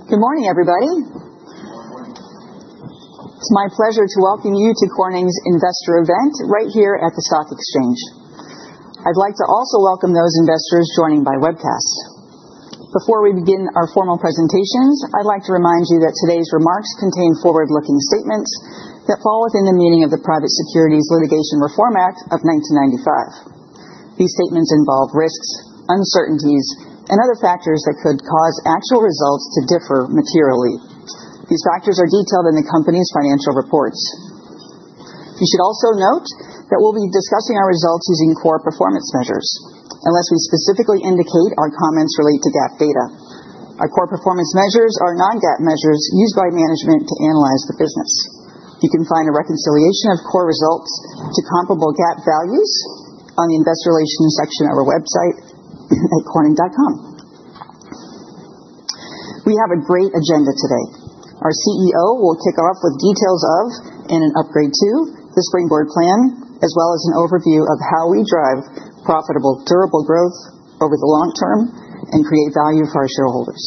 Good morning, everybody. Good morning. It's my pleasure to welcome you to Corning's investor event right here at the Stock Exchange. I'd like to also welcome those investors joining by webcast. Before we begin our formal presentations, I'd like to remind you that today's remarks contain forward-looking statements that fall within the meaning of the Private Securities Litigation Reform Act of 1995. These statements involve risks, uncertainties, and other factors that could cause actual results to differ materially. These factors are detailed in the company's financial reports. You should also note that we'll be discussing our results using core performance measures, unless we specifically indicate our comments relate to GAAP data. Our core performance measures are non-GAAP measures used by management to analyze the business. You can find a reconciliation of core results to comparable GAAP values on the Investor Relations section of our website at corning.com. We have a great agenda today. Our CEO will kick off with details of, and an upgrade to, the Springboard Plan, as well as an overview of how we drive profitable, durable growth over the long term and create value for our shareholders.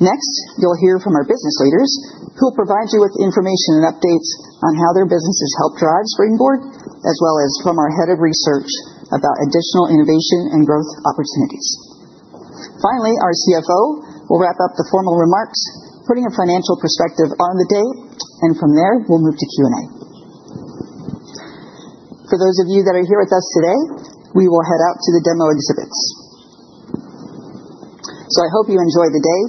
Next, you'll hear from our business leaders, who will provide you with information and updates on how their businesses help drive Springboard, as well as from our head of research about additional innovation and growth opportunities. Finally, our CFO will wrap up the formal remarks, putting a financial perspective on the day, and from there, we'll move to Q&A. For those of you that are here with us today, we will head out to the demo exhibits. I hope you enjoy the day.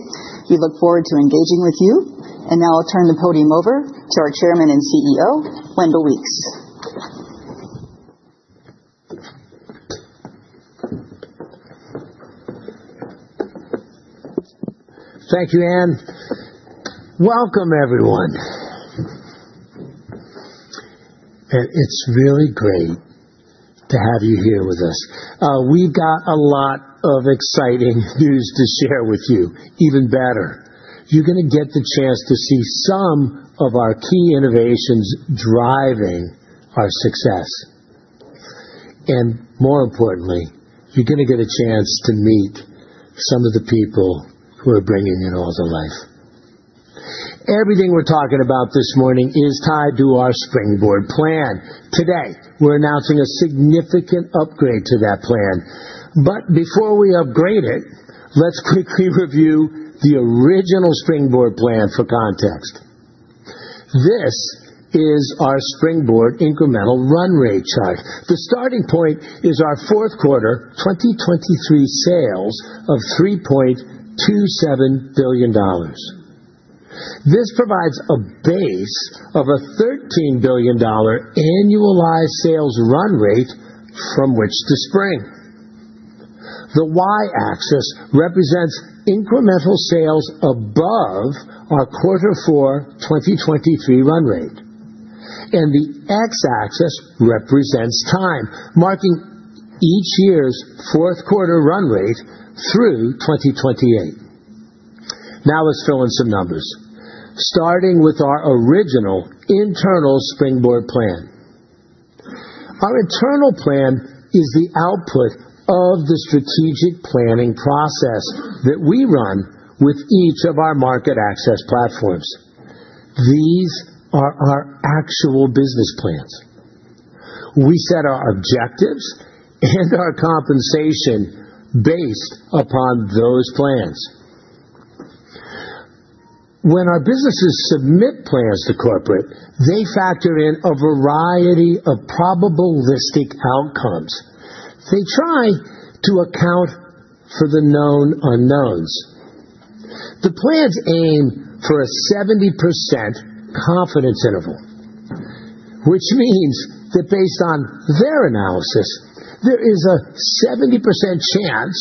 We look forward to engaging with you. Now I'll turn the podium over to our chairman and CEO, Wendell Weeks. Thank you, Ann. Welcome, everyone. It is really great to have you here with us. We have got a lot of exciting news to share with you, even better. You are going to get the chance to see some of our key innovations driving our success. More importantly, you are going to get a chance to meet some of the people who are bringing it all to life. Everything we are talking about this morning is tied to our Springboard Plan. Today, we are announcing a significant upgrade to that plan. Before we upgrade it, let us quickly review the original Springboard Plan for context. This is our Springboard Incremental Run Rate chart. The starting point is our fourth quarter 2023 sales of $3.27 billion. This provides a base of a $13 billion annualized sales run rate from which to spring. The Y-axis represents incremental sales above our quarter four 2023 run rate. The X-axis represents time, marking each year's fourth quarter run rate through 2028. Now let's fill in some numbers, starting with our original internal Springboard Plan. Our internal plan is the output of the strategic planning process that we run with each of our market access platforms. These are our actual business plans. We set our objectives and our compensation based upon those plans. When our businesses submit plans to corporate, they factor in a variety of probabilistic outcomes. They try to account for the known unknowns. The plans aim for a 70% confidence interval, which means that based on their analysis, there is a 70% chance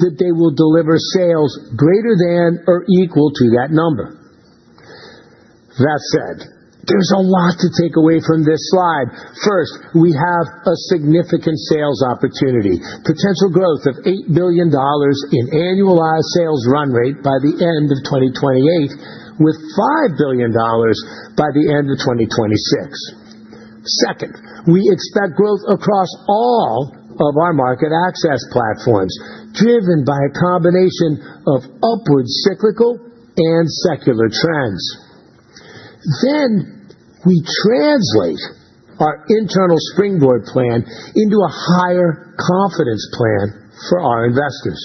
that they will deliver sales greater than or equal to that number. That said, there is a lot to take away from this slide. First, we have a significant sales opportunity: potential growth of $8 billion in annualized sales run rate by the end of 2028, with $5 billion by the end of 2026. Second, we expect growth across all of our market access platforms, driven by a combination of upward cyclical and secular trends. We translate our internal Springboard Plan into a higher confidence plan for our investors.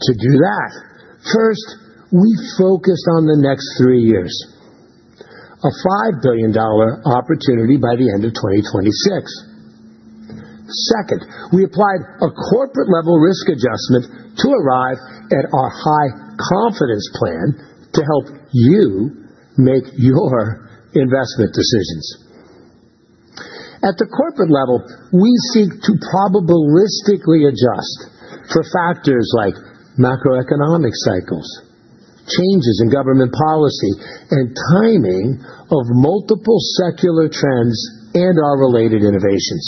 To do that, first, we focused on the next three years: a $5 billion opportunity by the end of 2026. Second, we applied a corporate-level risk adjustment to arrive at our high confidence plan to help you make your investment decisions. At the corporate level, we seek to probabilistically adjust for factors like macroeconomic cycles, changes in government policy, and timing of multiple secular trends and our related innovations.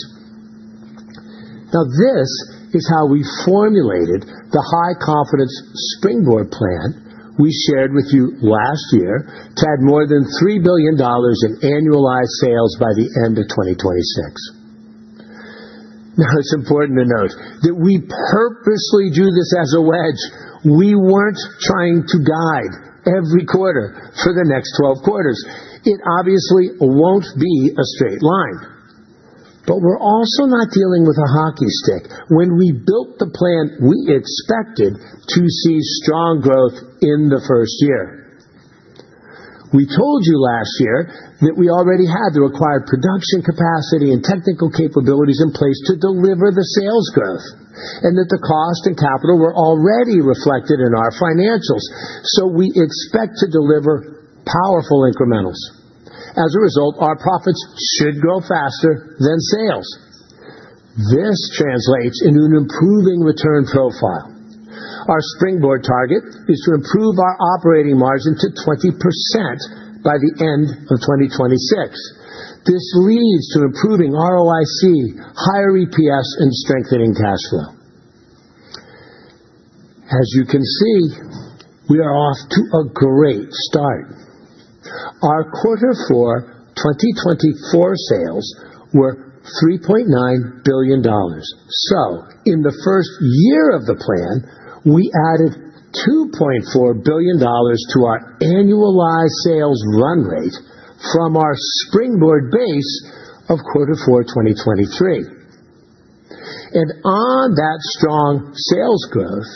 Now, this is how we formulated the high confidence Springboard Plan we shared with you last year to add more than $3 billion in annualized sales by the end of 2026. Now, it's important to note that we purposely drew this as a wedge. We weren't trying to guide every quarter for the next 12 quarters. It obviously won't be a straight line. We are also not dealing with a hockey stick. When we built the plan, we expected to see strong growth in the first year. We told you last year that we already had the required production capacity and technical capabilities in place to deliver the sales growth, and that the cost and capital were already reflected in our financials. We expect to deliver powerful incrementals. As a result, our profits should grow faster than sales. This translates into an improving return profile. Our Springboard target is to improve our operating margin to 20% by the end of 2026. This leads to improving ROIC, higher EPS, and strengthening cash flow. As you can see, we are off to a great start. Our quarter four 2024 sales were $3.9 billion. In the first year of the plan, we added $2.4 billion to our annualized sales run rate from our Springboard base of quarter four 2023. On that strong sales growth,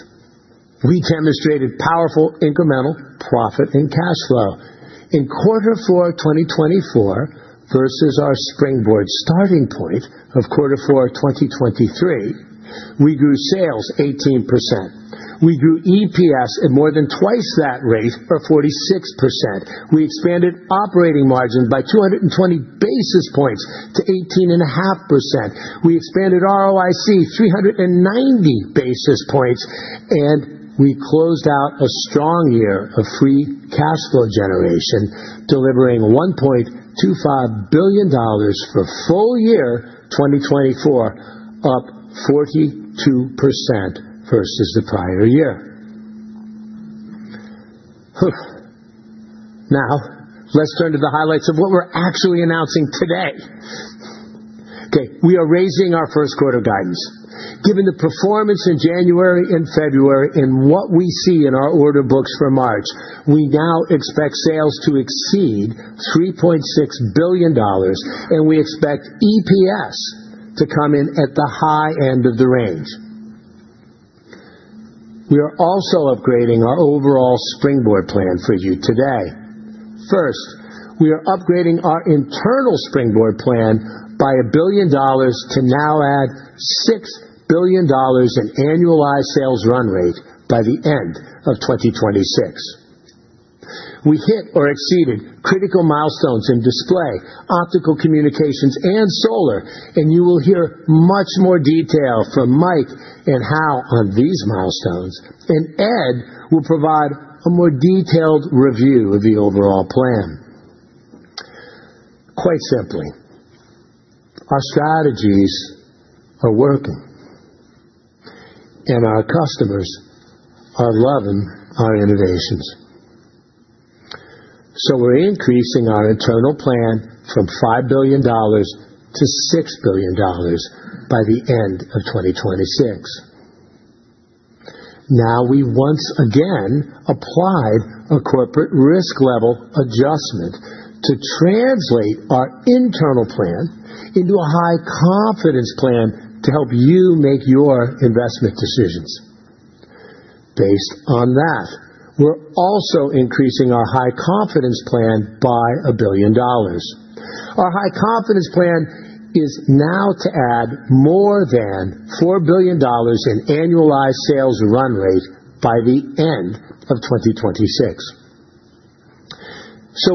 we demonstrated powerful incremental profit and cash flow. In quarter four 2024, versus our Springboard starting point of quarter four 2023, we grew sales 18%. We grew EPS at more than twice that rate or 46%. We expanded operating margin by 220 basis points to 18.5%. We expanded ROIC 390 basis points, and we closed out a strong year of free cash flow generation, delivering $1.25 billion for full year 2024, up 42% versus the prior year. Now, let's turn to the highlights of what we're actually announcing today. Okay, we are raising our first quarter guidance. Given the performance in January and February and what we see in our order books for March, we now expect sales to exceed $3.6 billion, and we expect EPS to come in at the high end of the range. We are also upgrading our overall Springboard Plan for you today. First, we are upgrading our internal Springboard Plan by $1 billion to now add $6 billion in annualized sales run rate by the end of 2026. We hit or exceeded critical milestones in display, optical communications, and solar, and you will hear much more detail from Mike and Hal on these milestones, and Ed will provide a more detailed review of the overall plan. Quite simply, our strategies are working, and our customers are loving our innovations. We are increasing our internal plan from $5 billion to $6 billion by the end of 2026. Now, we once again applied a corporate risk level adjustment to translate our internal plan into a high confidence plan to help you make your investment decisions. Based on that, we are also increasing our high confidence plan by $1 billion. Our high confidence plan is now to add more than $4 billion in annualized sales run rate by the end of 2026.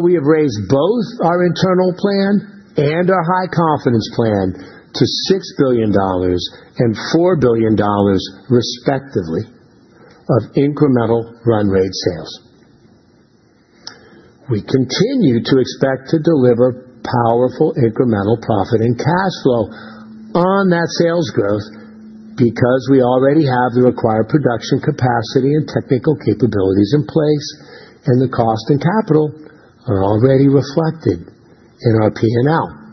We have raised both our internal plan and our high confidence plan to $6 billion and $4 billion, respectively, of incremental run rate sales. We continue to expect to deliver powerful incremental profit and cash flow on that sales growth because we already have the required production capacity and technical capabilities in place, and the cost and capital are already reflected in our P&L.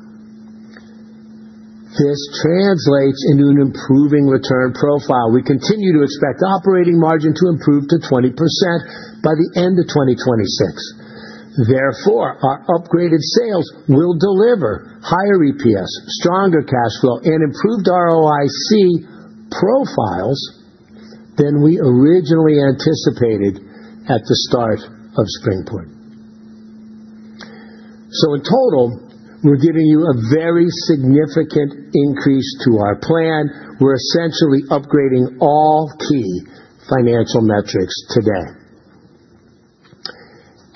This translates into an improving return profile. We continue to expect operating margin to improve to 20% by the end of 2026. Therefore, our upgraded sales will deliver higher EPS, stronger cash flow, and improved ROIC profiles than we originally anticipated at the start of Springboard. In total, we're giving you a very significant increase to our plan. We're essentially upgrading all key financial metrics today.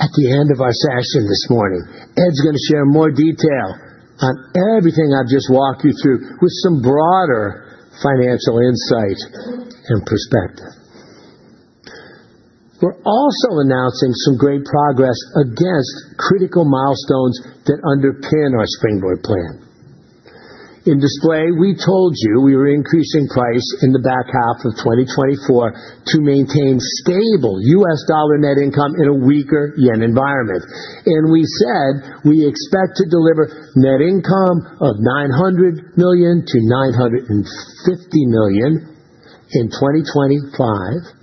At the end of our session this morning, Ed's going to share more detail on everything I've just walked you through with some broader financial insight and perspective. We're also announcing some great progress against critical milestones that underpin our Springboard Plan. In display, we told you we were increasing price in the back half of 2024 to maintain stable $US dollar net income in a weaker yen environment. We said we expect to deliver net income of $900 million-$950 million in 2025,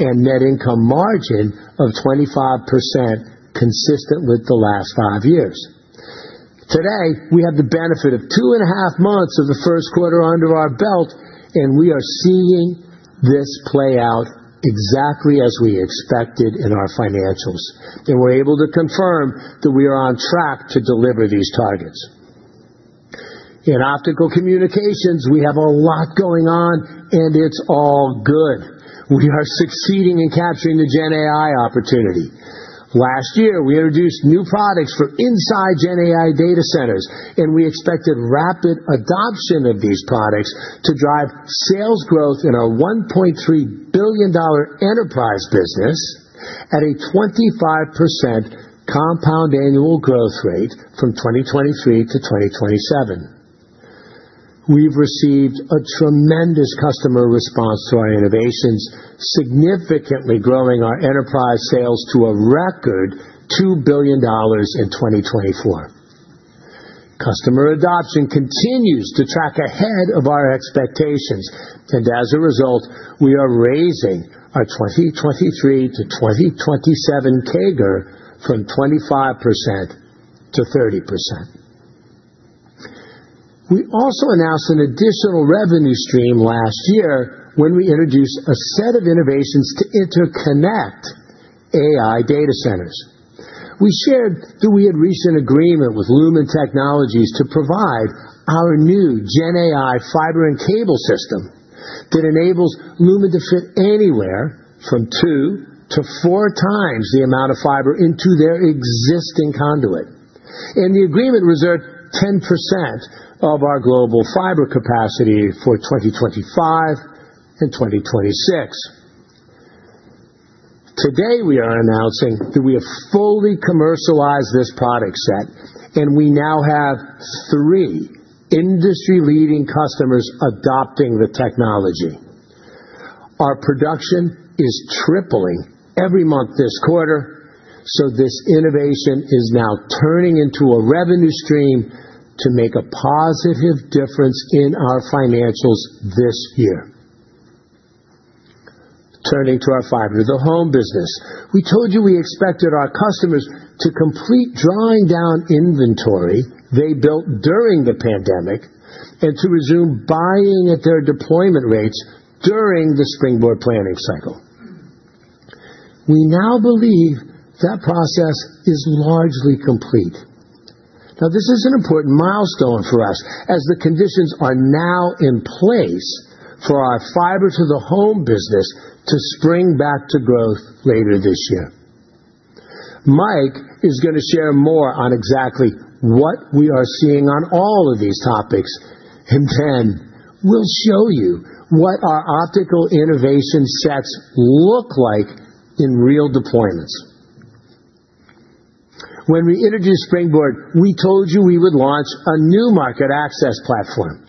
and net income margin of 25% consistent with the last five years. Today, we have the benefit of two and a half months of the first quarter under our belt, and we are seeing this play out exactly as we expected in our financials. We are able to confirm that we are on track to deliver these targets. In Optical Communications, we have a lot going on, and it's all good. We are succeeding in capturing the GenAI opportunity. Last year, we introduced new products for inside GenAI data centers, and we expected rapid adoption of these products to drive sales growth in our $1.3 billion enterprise business at a 25% compound annual growth rate from 2023 to 2027. We've received a tremendous customer response to our innovations, significantly growing our enterprise sales to a record $2 billion in 2024. Customer adoption continues to track ahead of our expectations, and as a result, we are raising our 2023 to 2027 CAGR from 25% to 30%. We also announced an additional revenue stream last year when we introduced a set of innovations to interconnect AI data centers. We shared that we had reached an agreement with Lumen Technologies to provide our new GenAI fiber and cable system that enables Lumen to fit anywhere from two to four times the amount of fiber into their existing conduit. The agreement reserved 10% of our global fiber capacity for 2025 and 2026. Today, we are announcing that we have fully commercialized this product set, and we now have three industry-leading customers adopting the technology. Our production is tripling every month this quarter, so this innovation is now turning into a revenue stream to make a positive difference in our financials this year. Turning to our fiber to the home business, we told you we expected our customers to complete drawing down inventory they built during the pandemic and to resume buying at their deployment rates during the Springboard planning cycle. We now believe that process is largely complete. Now, this is an important mitone for us as the conditions are now in place for our fiber to the home business to spring back to growth later this year. Mike is going to share more on exactly what we are seeing on all of these topics, and then we'll show you what our optical innovation sets look like in real deployments. When we introduced Springboard, we told you we would launch a new market access platform.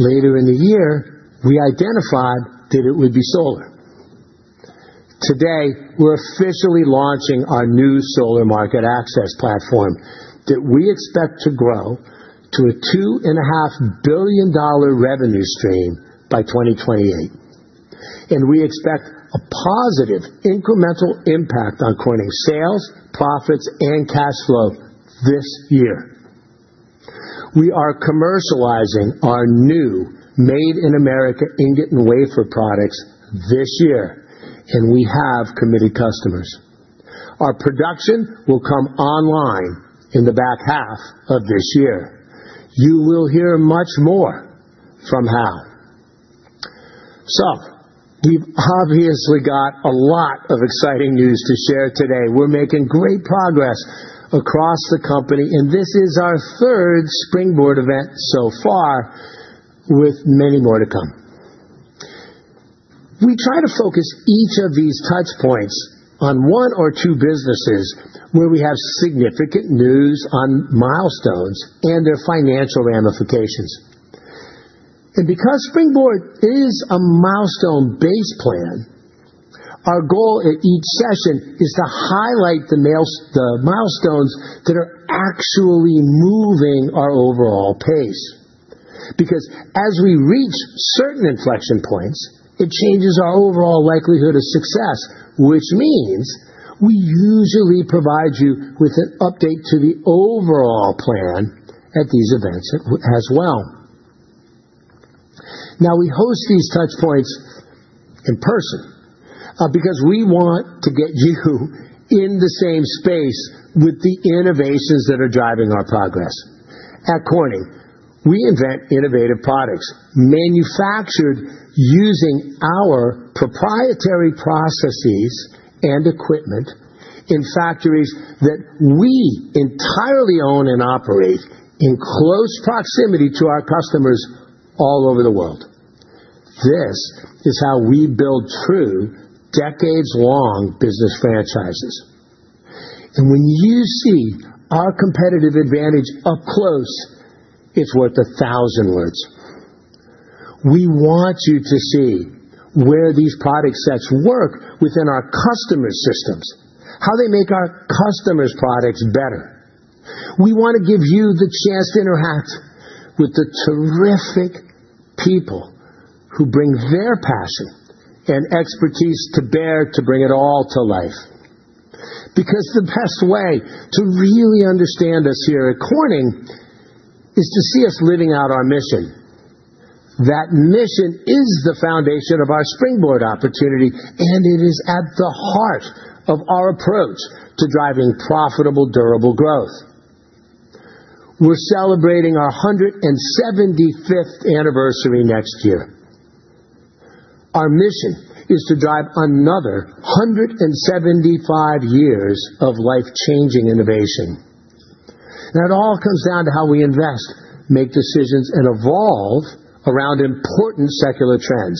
Later in the year, we identified that it would be solar. Today, we're officially launching our new solar market access platform that we expect to grow to a $2.5 billion revenue stream by 2028. We expect a positive incremental impact on Corning's sales, profits, and cash flow this year. We are commercializing our new Made in America ingot and wafer products this year, and we have committed customers. Our production will come online in the back half of this year. You will hear much more from Hal. We obviously have a lot of exciting news to share today. We are making great progress across the company, and this is our third Springboard event so far, with many more to come. We try to focus each of these touchpoints on one or two businesses where we have significant news on milestones and their financial ramifications. Because Springboard is a mitone-based plan, our goal at each session is to highlight the milestones that are actually moving our overall pace. As we reach certain inflection points, it changes our overall likelihood of success, which means we usually provide you with an update to the overall plan at these events as well. Now, we host these touchpoints in person because we want to get you in the same space with the innovations that are driving our progress. At Corning, we invent innovative products manufactured using our proprietary processes and equipment in factories that we entirely own and operate in close proximity to our customers all over the world. This is how we build true decades-long business franchises. When you see our competitive advantage up close, it's worth a thousand words. We want you to see where these product sets work within our customer systems, how they make our customers' products better. We want to give you the chance to interact with the terrific people who bring their passion and expertise to bear to bring it all to life. Because the best way to really understand us here at Corning is to see us living out our mission. That mission is the foundation of our Springboard opportunity, and it is at the heart of our approach to driving profitable, durable growth. We're celebrating our 175th anniversary next year. Our mission is to drive another 175 years of life-changing innovation. It all comes down to how we invest, make decisions, and evolve around important secular trends.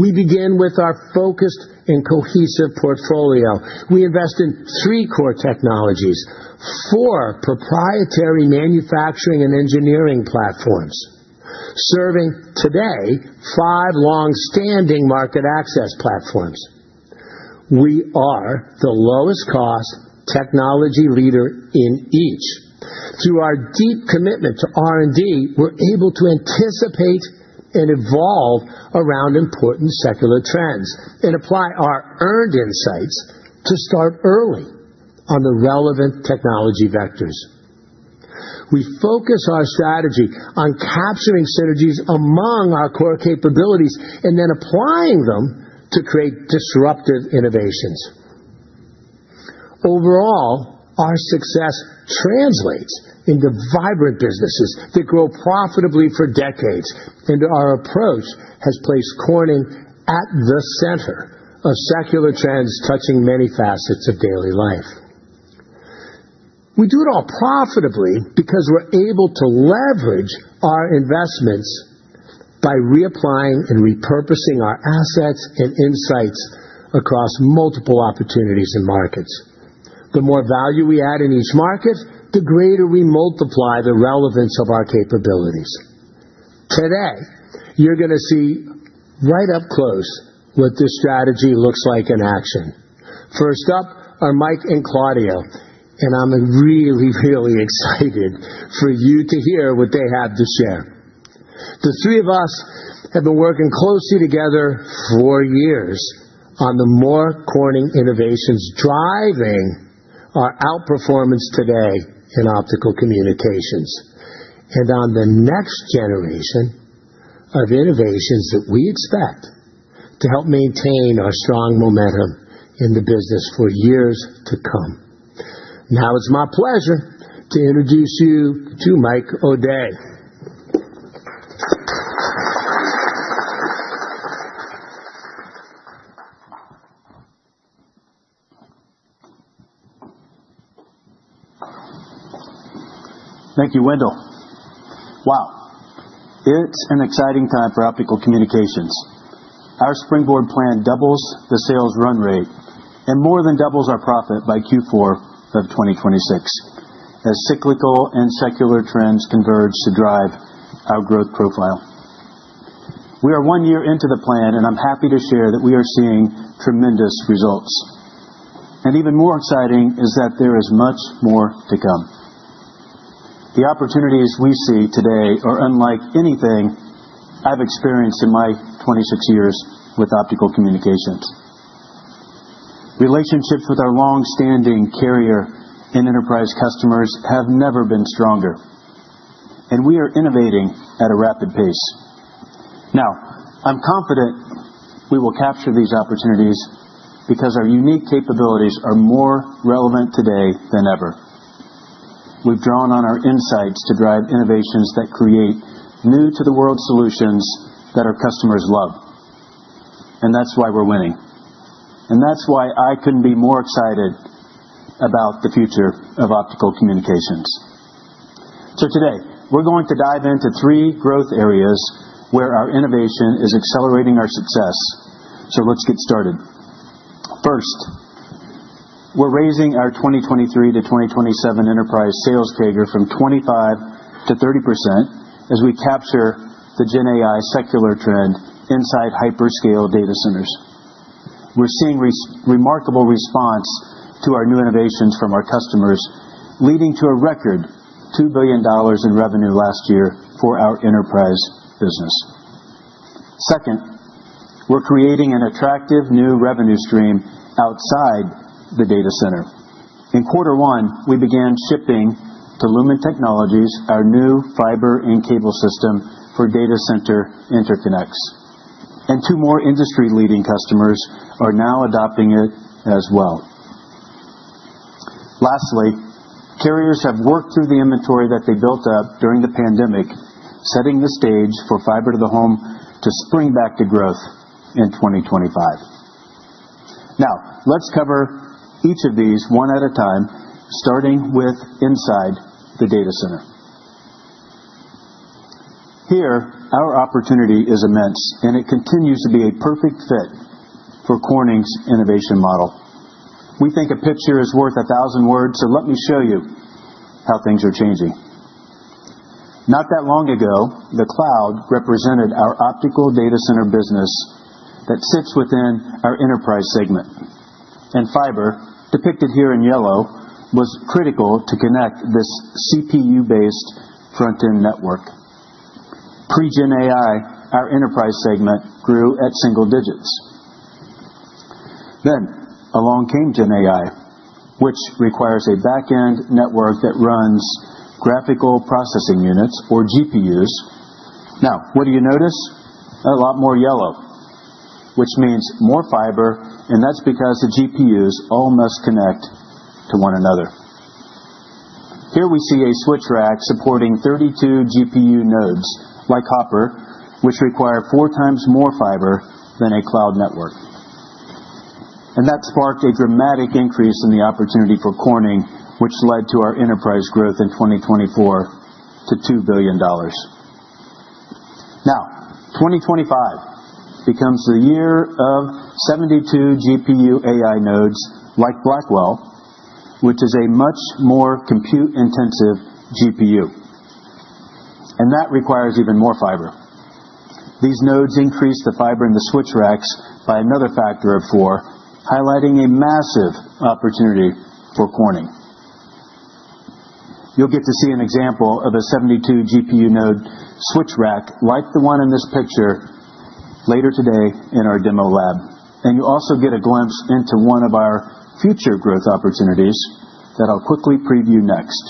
We begin with our focused and cohesive portfolio. We invest in three core technologies, four proprietary manufacturing and engineering platforms, serving today five long-standing market access platforms. We are the lowest-cost technology leader in each. Through our deep commitment to R&D, we're able to anticipate and evolve around important secular trends and apply our earned insights to start early on the relevant technology vectors. We focus our strategy on capturing synergies among our core capabilities and then applying them to create disruptive innovations. Overall, our success translates into vibrant businesses that grow profitably for decades, and our approach has placed Corning at the center of secular trends touching many facets of daily life. We do it all profitably because we're able to leverage our investments by reapplying and repurposing our assets and insights across multiple opportunities and markets. The more value we add in each market, the greater we multiply the relevance of our capabilities. Today, you're going to see right up close what this strategy looks like in action. First up are Mike and Claudio, and I'm really, really excited for you to hear what they have to share. The three of us have been working closely together for years on the more Corning innovations driving our outperformance today in Optical Communications and on the next generation of innovations that we expect to help maintain our strong momentum in the business for years to come. Now, it's my pleasure to introduce you to Mike O’Day. Thank you, Wendell. Wow. It is an exciting time for optical communications. Our Springboard Plan doubles the sales run rate and more than doubles our profit by Q4 of 2026 as cyclical and secular trends converge to drive our growth profile. We are one year into the plan, and I am happy to share that we are seeing tremendous results. Even more exciting is that there is much more to come. The opportunities we see today are unlike anything I have experienced in my 26 years with optical communications. Relationships with our long-standing carrier and enterprise customers have never been stronger, and we are innovating at a rapid pace. Now, I am confident we will capture these opportunities because our unique capabilities are more relevant today than ever. We have drawn on our insights to drive innovations that create new-to-the-world solutions that our customers love. That is why we are winning. That is why I could not be more excited about the future of optical communications. Today, we are going to dive into three growth areas where our innovation is accelerating our success. Let us get started. First, we are raising our 2023 to 2027 enterprise sales CAGR from 25% to 30% as we capture the GenAI secular trend inside hyperscale data centers. We are seeing remarkable response to our new innovations from our customers, leading to a record $2 billion in revenue last year for our enterprise business. Second, we are creating an attractive new revenue stream outside the data center. In quarter one, we began shipping to Lumen Technologies our new fiber and cable system for data center interconnects. Two more industry-leading customers are now adopting it as well. Lastly, carriers have worked through the inventory that they built up during the pandemic, setting the stage for fiber to the home to spring back to growth in 2025. Now, let's cover each of these one at a time, starting with inside the data center. Here, our opportunity is immense, and it continues to be a perfect fit for Corning's innovation model. We think a picture is worth a thousand words, so let me show you how things are changing. Not that long ago, the cloud represented our optical data center business that sits within our enterprise segment. And fiber, depicted here in yellow, was critical to connect this CPU-based front-end network. pre-GenAI, our enterprise segment grew at single digits. Then along came GenAI, which requires a back-end network that runs graphical processing units, or GPUs. Now, what do you notice? A lot more yellow, which means more fiber, and that's because the GPUs all must connect to one another. Here we see a switch rack supporting 32 GPU nodes like Hopper, which require four times more fiber than a cloud network. That sparked a dramatic increase in the opportunity for Corning, which led to our enterprise growth in 2024 to $2 billion. Now, 2025 becomes the year of 72 GPU AI nodes like Blackwell, which is a much more compute-intensive GPU. That requires even more fiber. These nodes increase the fiber in the switch racks by another factor of four, highlighting a massive opportunity for Corning. You'll get to see an example of a 72 GPU node switch rack like the one in this picture later today in our demo lab. You will also get a glimpse into one of our future growth opportunities that I'll quickly preview next.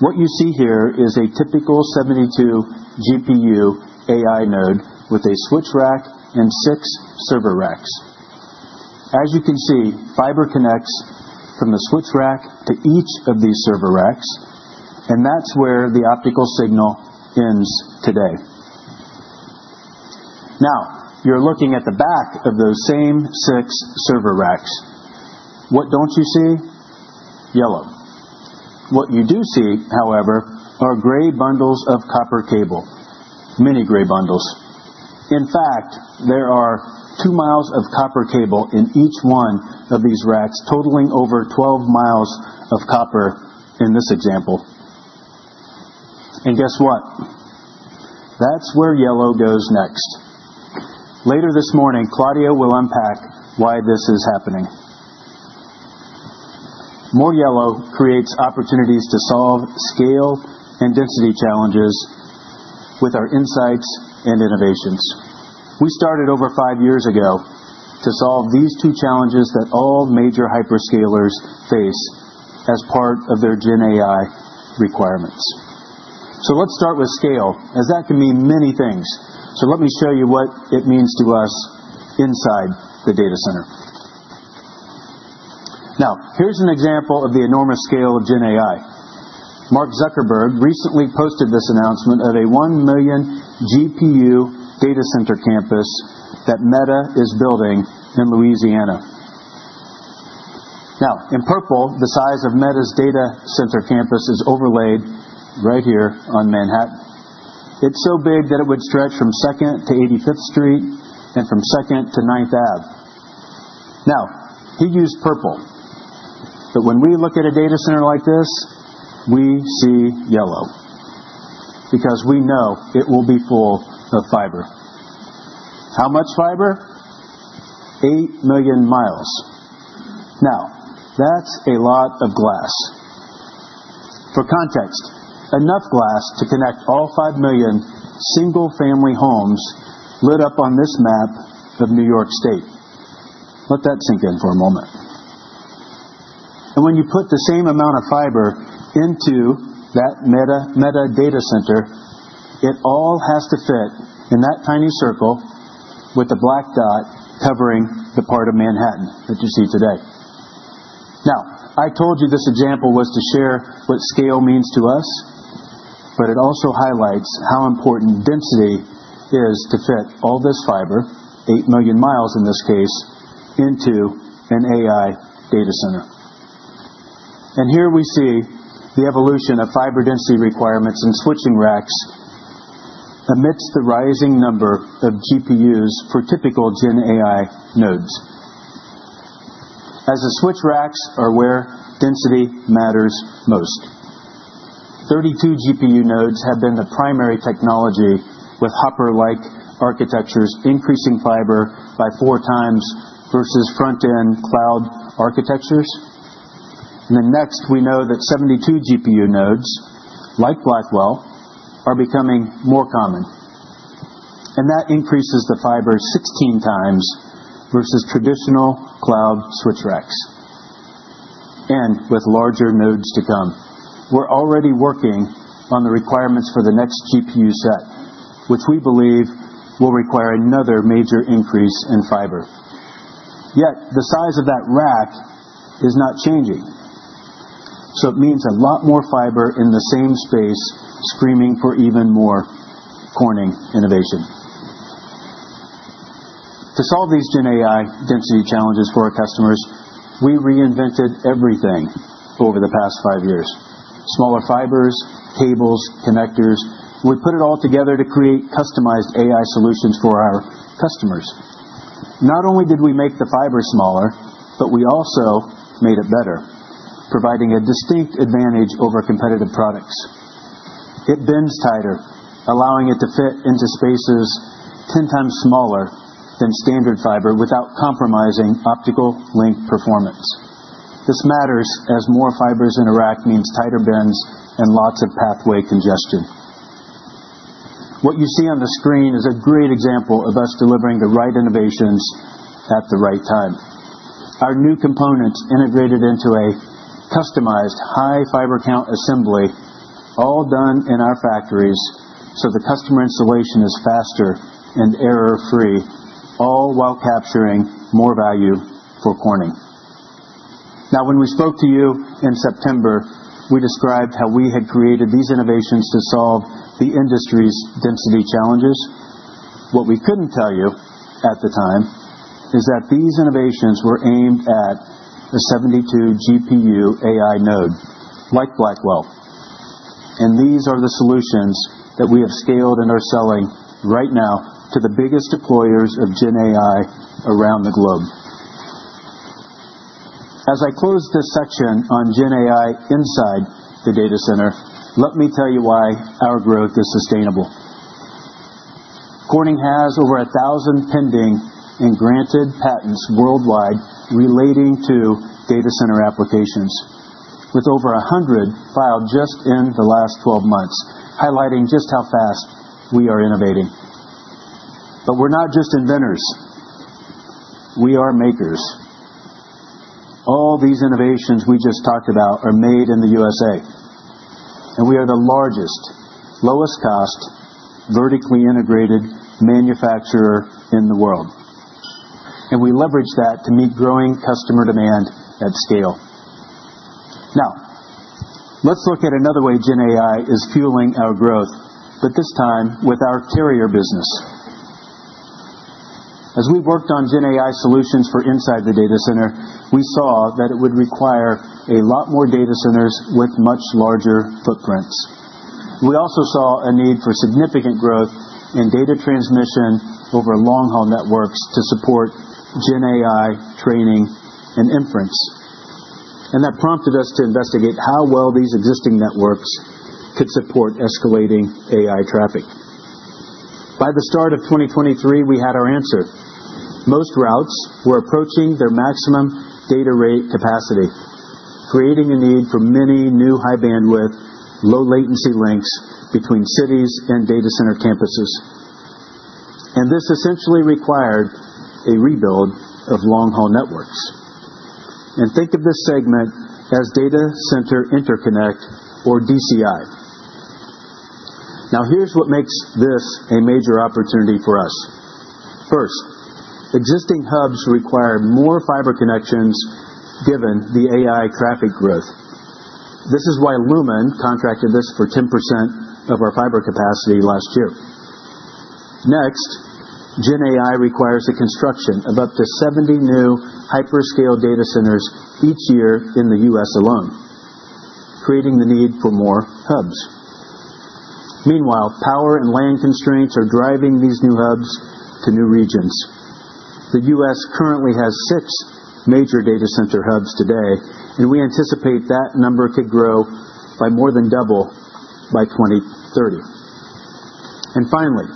What you see here is a typical 72 GPU AI node with a switch rack and six server racks. As you can see, fiber connects from the switch rack to each of these server racks, and that's where the optical signal ends today. Now, you're looking at the back of those same six server racks. What don't you see? Yellow. What you do see, however, are gray bundles of copper cable, mini gray bundles. In fact, there are 2 mi of copper cable in each one of these racks, totaling over 12 mi of copper in this example. Guess what? That's where yellow goes next. Later this morning, Claudio will unpack why this is happening. More yellow creates opportunities to solve scale and density challenges with our insights and innovations. We started over five years ago to solve these two challenges that all major hyperscalers face as part of their GenAI requirements. Let's start with scale, as that can mean many things. Let me show you what it means to us inside the data center. Here's an example of the enormous scale of GenAI. Mark Zuckerberg recently posted this announcement of a 1 million GPU data center campus that Meta is building in Louisiana. In purple, the size of Meta's data center campus is overlaid right here on Manhattan. It's so big that it would stretch from 2nd to 85th Street and from 2nd to 9th Ave. He used purple. When we look at a data center like this, we see yellow because we know it will be full of fiber. How much fiber? 8 million mi. Now, that's a lot of glass. For context, enough glass to connect all 5 million single-family homes lit up on this map of New York State. Let that sink in for a moment. When you put the same amount of fiber into that Meta data center, it all has to fit in that tiny circle with the black dot covering the part of Manhattan that you see today. I told you this example was to share what scale means to us, but it also highlights how important density is to fit all this fiber, 8 million mi in this case, into an AI data center. Here we see the evolution of fiber density requirements and switching racks amidst the rising number of GPUs for typical GenAI nodes, as the switch racks are where density matters most. 32 GPU nodes have been the primary technology, with Hopper-like architectures increasing fiber by four times versus front-end cloud architectures. Next, we know that 72 GPU nodes, like Blackwell, are becoming more common. That increases the fiber 16 times versus traditional cloud switch racks. With larger nodes to come, we're already working on the requirements for the next GPU set, which we believe will require another major increase in fiber. Yet the size of that rack is not changing. It means a lot more fiber in the same space, screaming for even more Corning innovation. To solve these GenAI density challenges for our customers, we reinvented everything over the past five years: smaller fibers, cables, connectors. We put it all together to create customized AI solutions for our customers. Not only did we make the fiber smaller, but we also made it better, providing a distinct advantage over competitive products. It bends tighter, allowing it to fit into spaces 10 times smaller than standard fiber without compromising optical link performance. This matters as more fibers in a rack means tighter bends and lots of pathway congestion. What you see on the screen is a great example of us delivering the right innovations at the right time. Our new components integrated into a customized high fiber count assembly, all done in our factories, so the customer installation is faster and error-free, all while capturing more value for Corning. Now, when we spoke to you in September, we described how we had created these innovations to solve the industry's density challenges. What we couldn't tell you at the time is that these innovations were aimed at a 72 GPU AI node, like Blackwell, and these are the solutions that we have scaled and are selling right now to the biggest deployers of GenAI around the globe. As I close this section on GenAI inside the data center, let me tell you why our growth is sustainable. Corning has over 1,000 pending and granted patents worldwide relating to data center applications, with over 100 filed just in the last 12 months, highlighting just how fast we are innovating. We are not just inventors. We are makers. All these innovations we just talked about are made in the USA, and we are the largest, lowest-cost, vertically integrated manufacturer in the world. We leverage that to meet growing customer demand at scale. Now, let's look at another way GenAI is fueling our growth, but this time with our carrier business. As we've worked on GenAI solutions for inside the data center, we saw that it would require a lot more data centers with much larger footprints. We also saw a need for significant growth in data transmission over long-haul networks to support GenAI training and inference. That prompted us to investigate how well these existing networks could support escalating AI traffic. By the start of 2023, we had our answer. Most routes were approaching their maximum data rate capacity, creating a need for many new high-bandwidth, low-latency links between cities and data center campuses. This essentially required a rebuild of long-haul networks. Think of this segment as data center interconnect, or DCI. Here is what makes this a major opportunity for us. First, existing hubs require more fiber connections given the AI traffic growth. This is why Lumen contracted this for 10% of our fiber capacity last year. Next, GenAI requires the construction of up to 70 new hyperscale data centers each year in the U.S. alone, creating the need for more hubs. Meanwhile, power and land constraints are driving these new hubs to new regions. The U.S. currently has six major data center hubs today, and we anticipate that number could grow by more than double by 2030. Finally,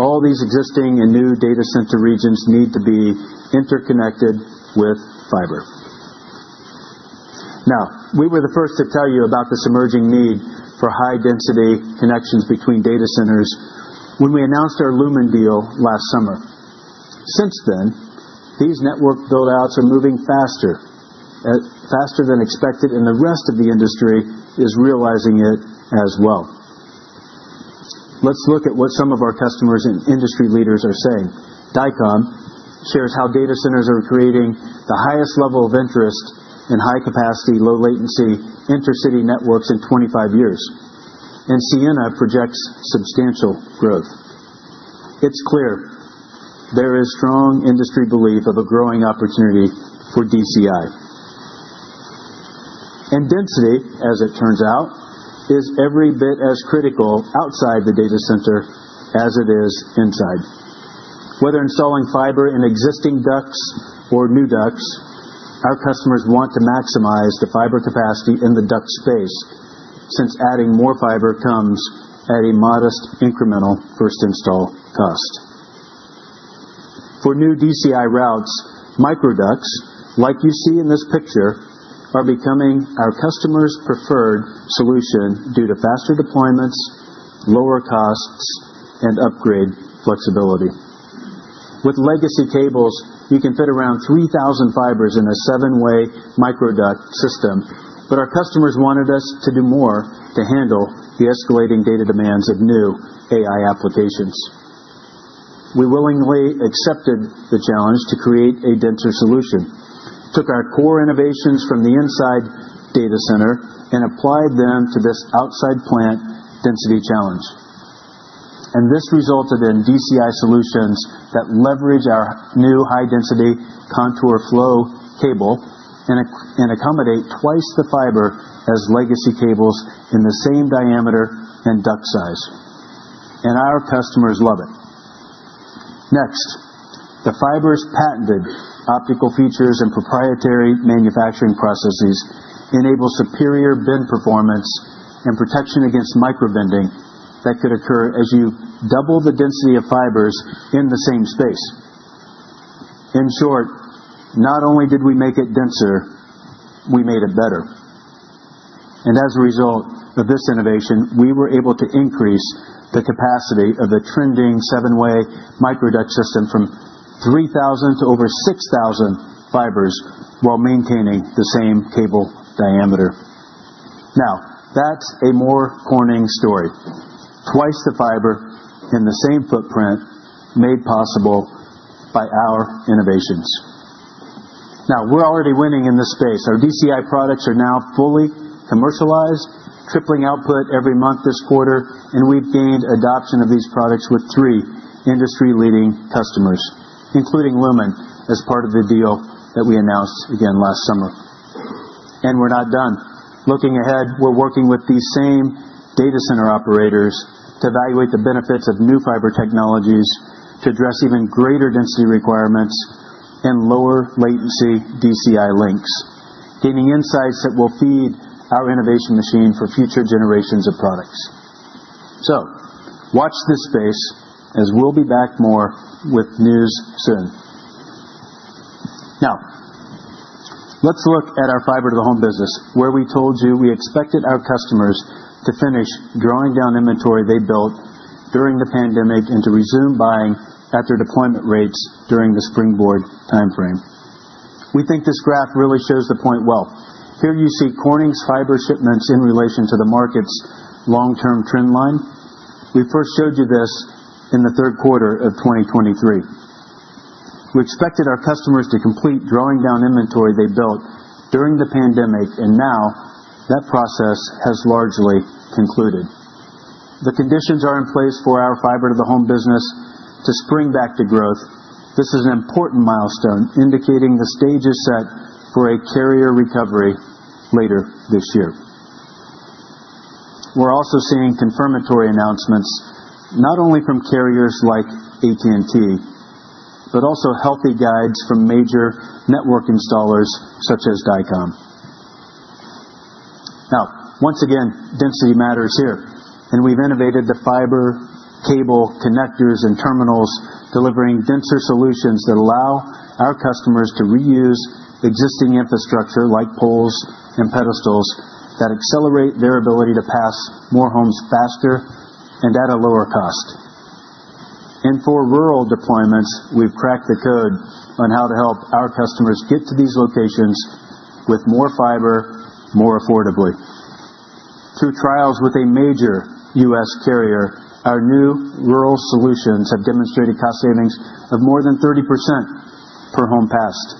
all these existing and new data center regions need to be interconnected with fiber. Now, we were the first to tell you about this emerging need for high-density connections between data centers when we announced our Lumen deal last summer. Since then, these network buildouts are moving faster, faster than expected, and the rest of the industry is realizing it as well. Let's look at what some of our customers and industry leaders are saying. Dycom shares how data centers are creating the highest level of interest in high-capacity, low-latency intercity networks in 25 years. Sienna projects substantial growth. It is clear there is strong industry belief of a growing opportunity for DCI. Density, as it turns out, is every bit as critical outside the data center as it is inside. Whether installing fiber in existing ducts or new ducts, our customers want to maximize the fiber capacity in the duct space since adding more fiber comes at a modest incremental first install cost. For new DCI routes, microducts, like you see in this picture, are becoming our customers' preferred solution due to faster deployments, lower costs, and upgrade flexibility. With legacy cables, you can fit around 3,000 fibers in a seven-way microduct system, but our customers wanted us to do more to handle the escalating data demands of new AI applications. We willingly accepted the challenge to create a denser solution, took our core innovations from the inside data center, and applied them to this outside plant density challenge. This resulted in DCI solutions that leverage our new high-density Contour Flow cable and accommodate twice the fiber as legacy cables in the same diameter and duct size. Our customers love it. Next, the fiber's patented optical features and proprietary manufacturing processes enable superior bend performance and protection against microbending that could occur as you double the density of fibers in the same space. In short, not only did we make it denser, we made it better. As a result of this innovation, we were able to increase the capacity of the trending seven-way microduct system from 3,000 to over 6,000 fibers while maintaining the same cable diameter. Now, that's a more Corning story. Twice the fiber in the same footprint made possible by our innovations. We're already winning in this space. Our DCI products are now fully commercialized, tripling output every month this quarter, and we've gained adoption of these products with three industry-leading customers, including Lumen as part of the deal that we announced again last summer. We're not done. Looking ahead, we're working with these same data center operators to evaluate the benefits of new fiber technologies to address even greater density requirements and lower latency DCI links, gaining insights that will feed our innovation machine for future generations of products. Watch this space as we'll be back more with news soon. Now, let's look at our fiber to the home business, where we told you we expected our customers to finish drawing down inventory they built during the pandemic and to resume buying at their deployment rates during the Springboard timeframe. We think this graph really shows the point well. Here you see Corning's fiber shipments in relation to the market's long-term trend line. We first showed you this in the third quarter of 2023. We expected our customers to complete drawing down inventory they built during the pandemic, and now that process has largely concluded. The conditions are in place for our fiber to the home business to spring back to growth. This is an important milestone indicating the stage is set for a carrier recovery later this year. We're also seeing confirmatory announcements not only from carriers like AT&T, but also healthy guides from major network installers such as Dycom. Now, once again, density matters here, and we've innovated the fiber cable connectors and terminals, delivering denser solutions that allow our customers to reuse existing infrastructure like poles and pedestals that accelerate their ability to pass more homes faster and at a lower cost. For rural deployments, we've cracked the code on how to help our customers get to these locations with more fiber, more affordably. Through trials with a major U.S. carrier, our new rural solutions have demonstrated cost savings of more than 30% for home passed.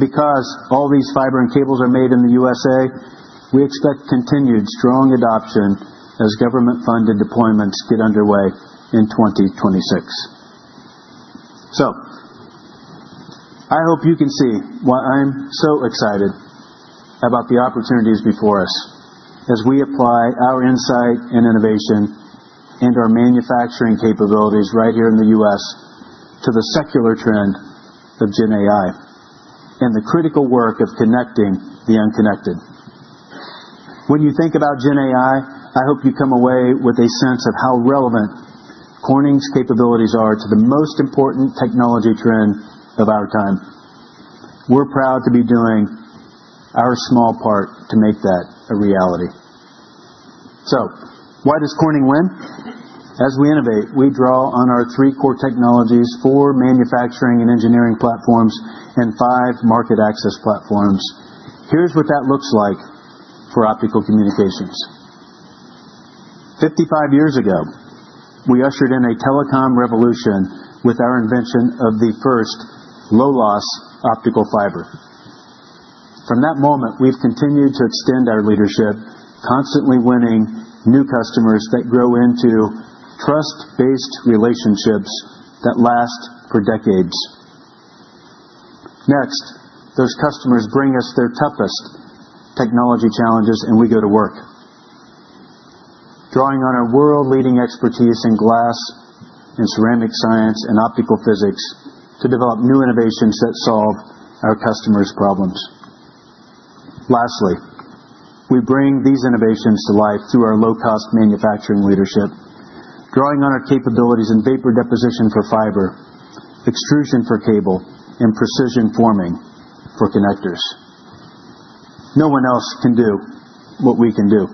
Because all these fiber and cables are made in the USA, we expect continued strong adoption as government-funded deployments get underway in 2026. I hope you can see why I'm so excited about the opportunities before us as we apply our insight and innovation and our manufacturing capabilities right here in the U.S. to the secular trend of GenAI and the critical work of connecting the unconnected. When you think about GenAI, I hope you come away with a sense of how relevant Corning's capabilities are to the most important technology trend of our time. We're proud to be doing our small part to make that a reality. Why does Corning win? As we innovate, we draw on our three core technologies, four manufacturing and engineering platforms, and five market access platforms. Here's what that looks like for Optical Communications. Fifty-five years ago, we ushered in a telecom revolution with our invention of the first low-loss optical fiber. From that moment, we've continued to extend our leadership, constantly winning new customers that grow into trust-based relationships that last for decades. Next, those customers bring us their toughest technology challenges, and we go to work, drawing on our world-leading expertise in glass and ceramic science and optical physics to develop new innovations that solve our customers' problems. Lastly, we bring these innovations to life through our low-cost manufacturing leadership, drawing on our capabilities in vapor deposition for fiber, extrusion for cable, and precision forming for connectors. No one else can do what we can do.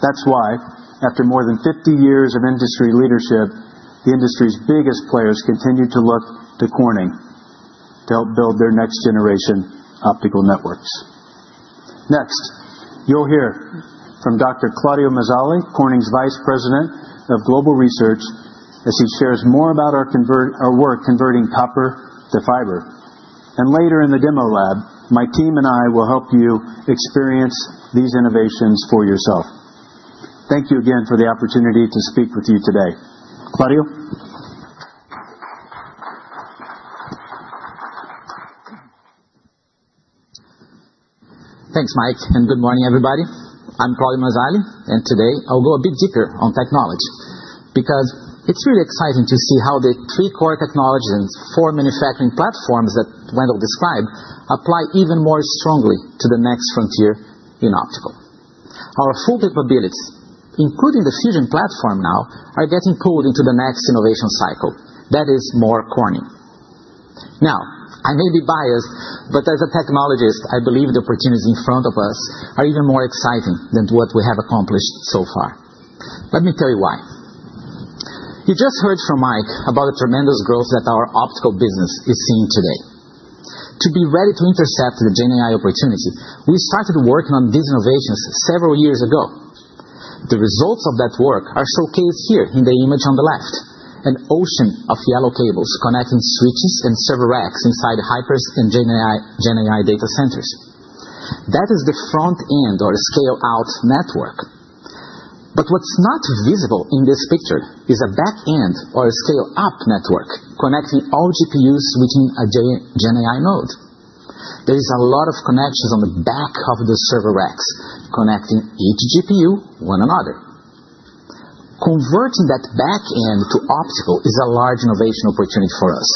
That's why, after more than 50 years of industry leadership, the industry's biggest players continue to look to Corning to help build their next-generation optical networks. Next, you'll hear from Dr. Claudio Mazzali, Corning's Vice President of Global Research, as he shares more about our work converting copper to fiber. Later in the demo lab, my team and I will help you experience these innovations for yourself. Thank you again for the opportunity to speak with you today. Claudio. Thanks, Mike, and good morning, everybody. I'm Claudio Mazzali, and today I'll go a bit deeper on technology because it's really exciting to see how the three core technologies and four manufacturing platforms that Wendell described apply even more strongly to the next frontier in optical. Our full capabilities, including the fusion platform now, are getting pulled into the next innovation cycle. That is more Corning. I may be biased, but as a technologist, I believe the opportunities in front of us are even more exciting than what we have accomplished so far. Let me tell you why. You just heard from Mike about the tremendous growth that our optical business is seeing today. To be ready to intercept the GenAI opportunity, we started working on these innovations several years ago. The results of that work are showcased here in the image on the left, an ocean of yellow cables connecting switches and server racks inside Hypers and GenAI data centers. That is the front-end or scale-out network. What is not visible in this picture is a back-end or a scale-up network connecting all GPUs within a GenAI node. There are a lot of connections on the back of the server racks connecting each GPU to one another. Converting that back-end to optical is a large innovation opportunity for us,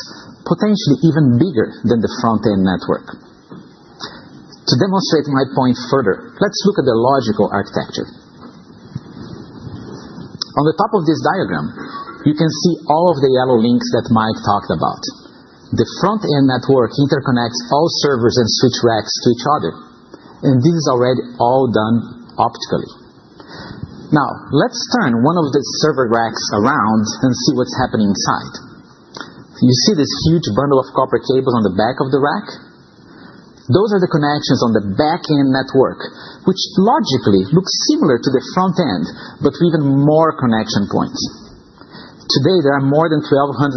potentially even bigger than the front-end network. To demonstrate my point further, let's look at the logical architecture. On the top of this diagram, you can see all of the yellow links that Mike talked about. The front-end network interconnects all servers and switch racks to each other, and this is already all done optically. Now, let's turn one of the server racks around and see what's happening inside. You see this huge bundle of copper cables on the back of the rack? Those are the connections on the back-end network, which logically looks similar to the front-end, but with even more connection points. Today, there are more than 1,200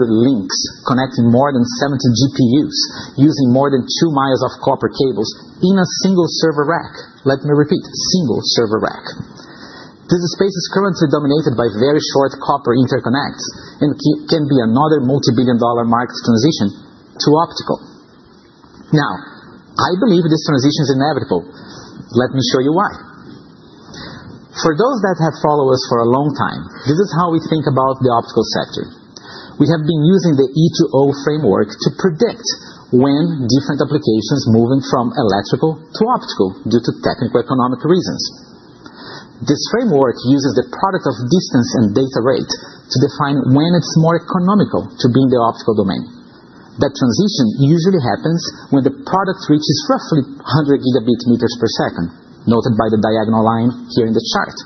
links connecting more than 70 GPUs using more than two mi of copper cables in a single server rack. Let me repeat, single server rack. This space is currently dominated by very short copper interconnects and can be another multi-billion-dollar market transition to optical. Now, I believe this transition is inevitable. Let me show you why. For those that have followed us for a long time, this is how we think about the optical sector. We have been using the E-to-O framework to predict when different applications move from electrical to optical due to technical economic reasons. This framework uses the product of distance and data rate to define when it's more economical to be in the optical domain. That transition usually happens when the product reaches roughly 100 Gb meters per second, noted by the diagonal line here in the chart.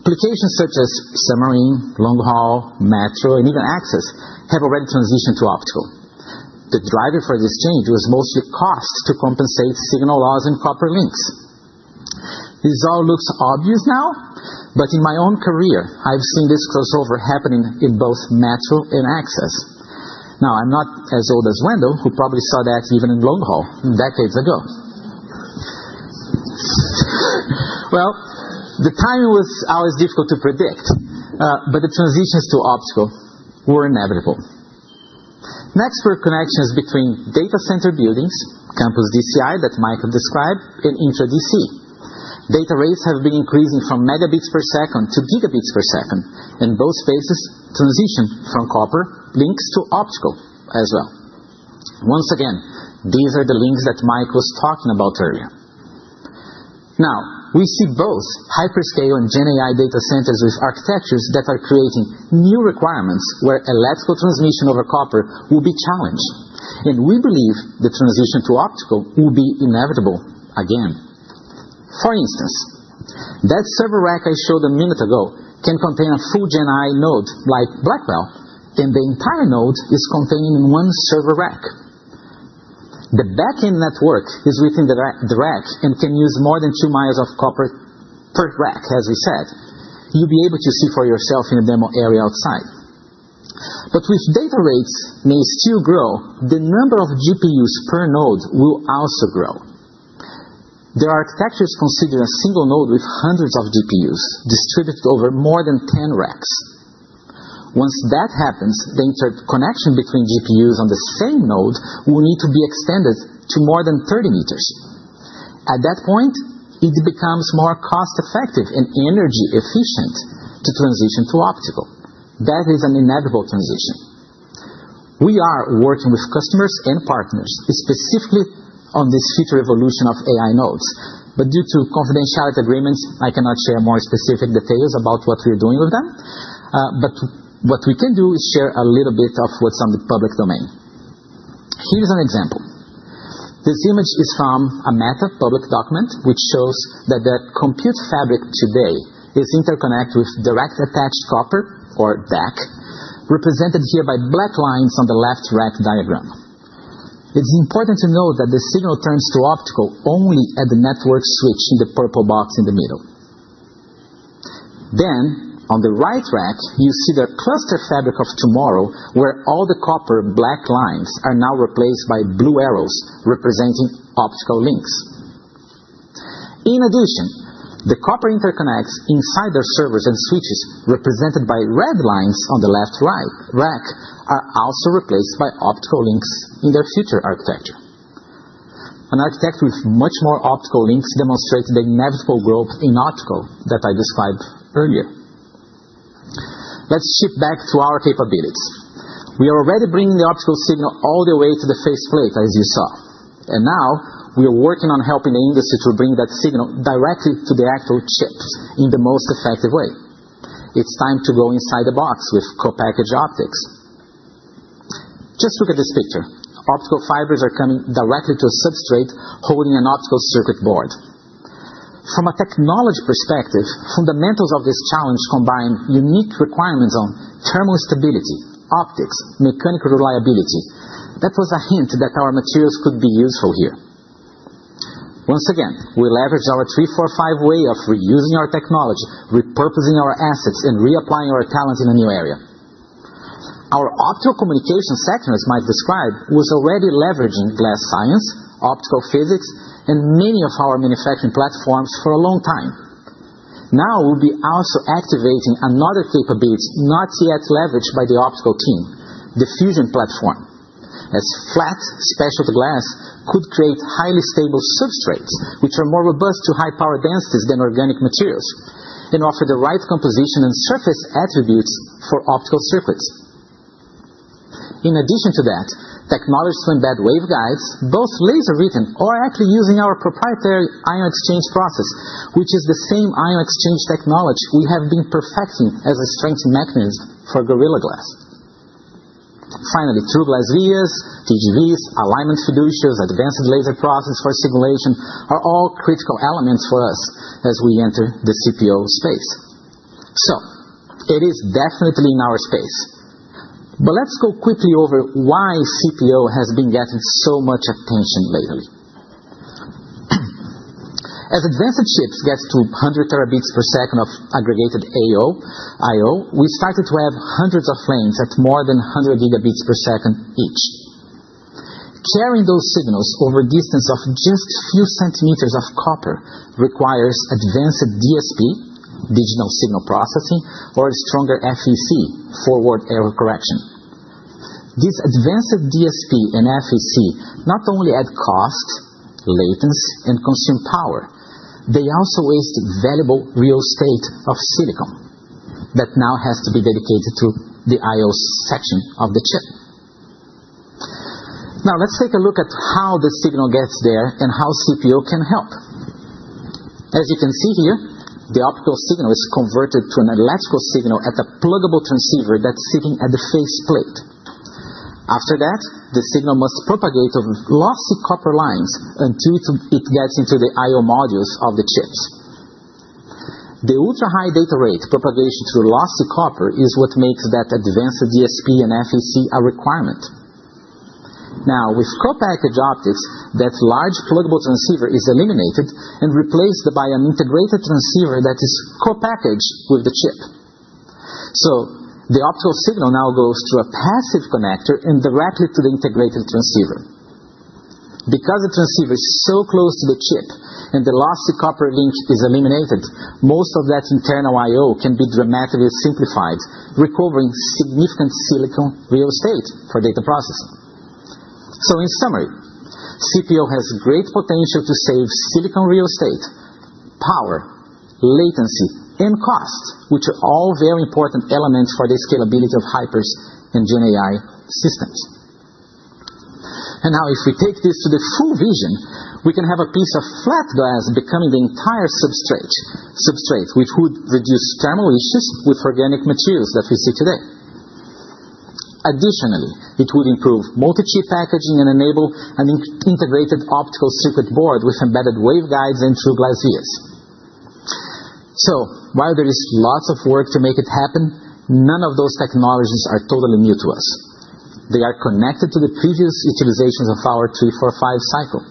Applications such as submarine, long-haul, metro, and even access have already transitioned to optical. The driver for this change was mostly cost to compensate signal loss and copper links. This all looks obvious now, but in my own career, I've seen this crossover happening in both metro and access. Now, I'm not as old as Wendell, who probably saw that even in long-haul decades ago. The timing was always difficult to predict, but the transitions to optical were inevitable. Next were connections between data center buildings, Campus DCI that Mike described, and Intra DC. Data rates have been increasing from megabit per second to gigabit per second, and both spaces transition from copper links to optical as well. Once again, these are the links that Mike was talking about earlier. Now, we see both Hyperscale and GenAI data centers with architectures that are creating new requirements where electrical transmission over copper will be challenged, and we believe the transition to optical will be inevitable again. For instance, that server rack I showed a minute ago can contain a full GenAI node like Blackwell, and the entire node is contained in one server rack. The back-end network is within the rack and can use more than 2 mi of copper per rack, as we said. You'll be able to see for yourself in the demo area outside. With data rates, data rates may still grow, the number of GPUs per node will also grow. There are architectures considered a single node with hundreds of GPUs distributed over more than 10 racks. Once that happens, the interconnection between GPUs on the same node will need to be extended to more than 30 meters. At that point, it becomes more cost-effective and energy-efficient to transition to optical. That is an inevitable transition. We are working with customers and partners specifically on this future evolution of AI nodes, but due to confidentiality agreements, I cannot share more specific details about what we're doing with them. What we can do is share a little bit of what's on the public domain. Here's an example. This image is from a Meta public document, which shows that the compute fabric today is interconnected with direct attached copper or DAC, represented here by black lines on the left rack diagram. It's important to note that the signal turns to optical only at the network switch in the purple box in the middle. On the right rack, you see the cluster fabric of tomorrow, where all the copper black lines are now replaced by blue arrows representing optical links. In addition, the copper interconnects inside their servers and switches, represented by red lines on the left rack, are also replaced by optical links in their future architecture. An architect with much more optical links demonstrated the inevitable growth in optical that I described earlier. Let's shift back to our capabilities. We are already bringing the optical signal all the way to the face plate, as you saw. We are working on helping the industry to bring that signal directly to the actual chip in the most effective way. It's time to go inside the box with Co-packaged Optics. Just look at this picture. Optical fibers are coming directly to a substrate holding an optical circuit board. From a technology perspective, fundamentals of this challenge combine unique requirements on thermal stability, optics, mechanical reliability. That was a hint that our materials could be useful here. Once again, we leverage our 345 way of reusing our technology, repurposing our assets, and reapplying our talents in a new area. Our Optical Communications sector, as Mike described, was already leveraging glass science, optical physics, and many of our manufacturing platforms for a long time. Now we'll be also activating another capability not yet leveraged by the optical team, the fusion platform, as flat specialty glass could create highly stable substrates, which are more robust to high power densities than organic materials and offer the right composition and surface attributes for optical circuits. In addition to that, technologies to embed wave guides, both laser-written or actually using our proprietary ion exchange process, which is the same ion exchange technology we have been perfecting as a strength mechanism for Gorilla Glass. Finally, through glass vias, TGVs, alignment fiduciaries, advanced laser processes for simulation are all critical elements for us as we enter the CPO space. It is definitely in our space. Let's go quickly over why CPO has been getting so much attention lately. As advanced chips get to 100 Tb per second of aggregated I/O, we started to have hundreds of lanes at more than 100 Gb per second each. Carrying those signals over a distance of just a few centimeters of copper requires advanced DSP, digital signal processing, or a stronger FEC, forward error correction. These advanced DSP and FEC not only add cost, latency, and consume power, they also waste valuable real estate of silicon that now has to be dedicated to the I/O section of the chip. Now, let's take a look at how the signal gets there and how CPO can help. As you can see here, the optical signal is converted to an electrical signal at a pluggable transceiver that's sitting at the face plate. After that, the signal must propagate over lossy copper lines until it gets into the I/O modules of the chips. The ultra-high data rate propagation through lossy copper is what makes that advanced DSP and FEC a requirement. Now, with Co-packaged Optics, that large pluggable transceiver is eliminated and replaced by an integrated transceiver that is co-packaged with the chip. The optical signal now goes through a passive connector and directly to the integrated transceiver. Because the transceiver is so close to the chip and the lossy copper link is eliminated, most of that internal I/O can be dramatically simplified, recovering significant silicon real estate for data processing. In summary, CPO has great potential to save silicon real estate, power, latency, and cost, which are all very important elements for the scalability of Hypers and GenAI systems. If we take this to the full vision, we can have a piece of flat glass becoming the entire substrate, which would reduce thermal issues with organic materials that we see today. Additionally, it would improve multi-chip packaging and enable an integrated optical circuit board with embedded wave guides and through glass vias. While there is lots of work to make it happen, none of those technologies are totally new to us. They are connected to the previous utilizations of our 345 cycle.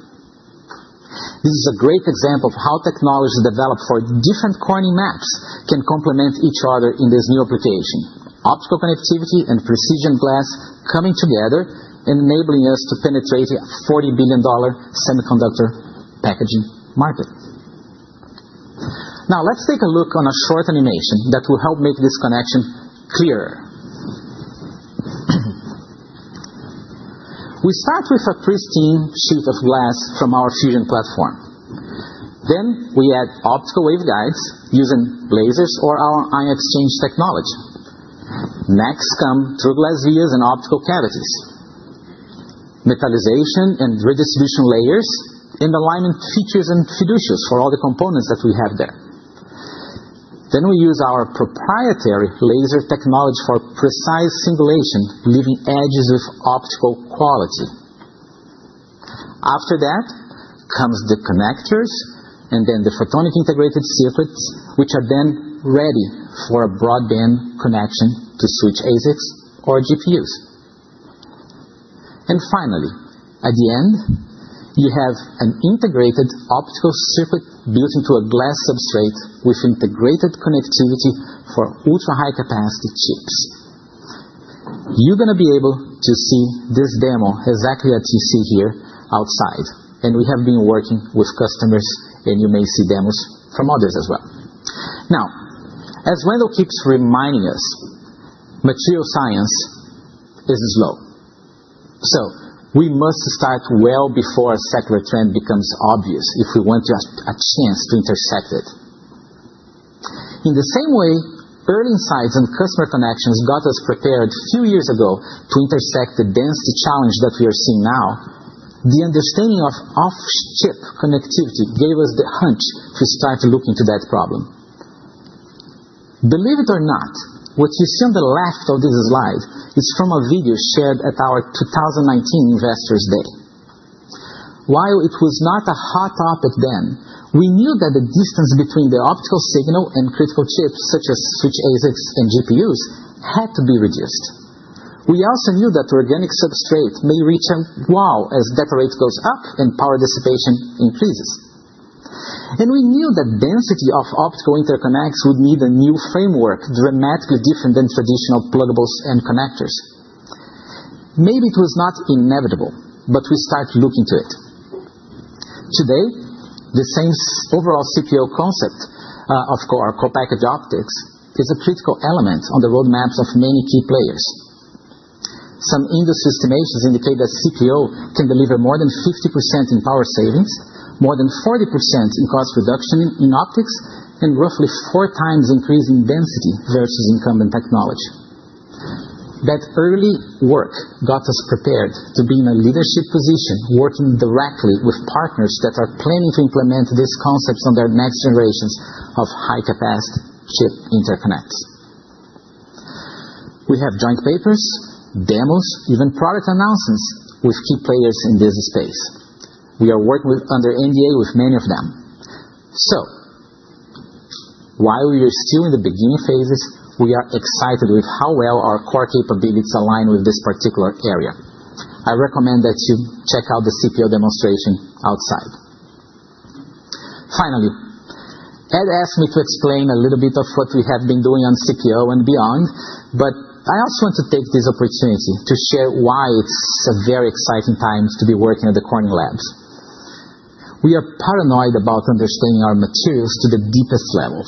This is a great example of how technologies developed for different Corning maps can complement each other in this new application. Optical connectivity and precision glass coming together and enabling us to penetrate a $40 billion semiconductor packaging market. Now, let's take a look on a short animation that will help make this connection clearer. We start with a pristine sheet of glass from our fusion platform. Then we add optical wave guides using lasers or our ion exchange technology. Next come through glass vias and optical cavities, metalization and redistribution layers, and alignment features and fiducials for all the components that we have there. We use our proprietary laser technology for precise singulation, leaving edges with optical quality. After that comes the connectors and then the photonic integrated circuits, which are then ready for a broadband connection to switch ASICs or GPUs. Finally, at the end, you have an integrated optical circuit built into a glass substrate with integrated connectivity for ultra-high capacity chips. You're going to be able to see this demo exactly as you see here outside. We have been working with customers, and you may see demos from others as well. Now, as Wendell keeps reminding us, material science is slow. We must start well before a secular trend becomes obvious if we want to have a chance to intersect it. In the same way, early insights and customer connections got us prepared a few years ago to intersect the density challenge that we are seeing now. The understanding of off-chip connectivity gave us the hunch to start looking into that problem. Believe it or not, what you see on the left of this slide is from a video shared at our 2019 Investors' Day. While it was not a hot topic then, we knew that the distance between the optical signal and critical chips, such as switch ASICs and GPUs, had to be reduced. We also knew that organic substrate may reach a wow as data rate goes up and power dissipation increases. We knew that density of optical interconnects would need a new framework, dramatically different than traditional pluggables and connectors. Maybe it was not inevitable, but we started looking to it. Today, the same overall CPO concept of our Copackage Optics is a critical element on the roadmaps of many key players. Some industry estimations indicate that CPO can deliver more than 50% in power savings, more than 40% in cost reduction in optics, and roughly four times increase in density versus incumbent technology. That early work got us prepared to be in a leadership position, working directly with partners that are planning to implement these concepts on their next generations of high-capacity chip interconnects. We have joint papers, demos, even product announcements with key players in this space. We are working under NDA with many of them. While we are still in the beginning phases, we are excited with how well our core capabilities align with this particular area. I recommend that you check out the CPO demonstration outside. Finally, Ed asked me to explain a little bit of what we have been doing on CPO and beyond, but I also want to take this opportunity to share why it's a very exciting time to be working at the Corning Labs. We are paranoid about understanding our materials to the deepest levels,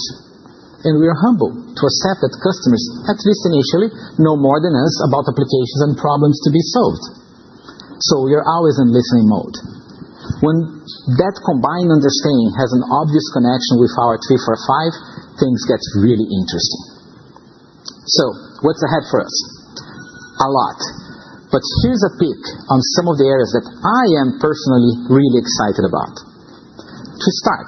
and we are humbled to accept that customers, at least initially, know more than us about applications and problems to be solved. We are always in listening mode. When that combined understanding has an obvious connection with our 345, things get really interesting. What's ahead for us? A lot. Here's a peek on some of the areas that I am personally really excited about. To start,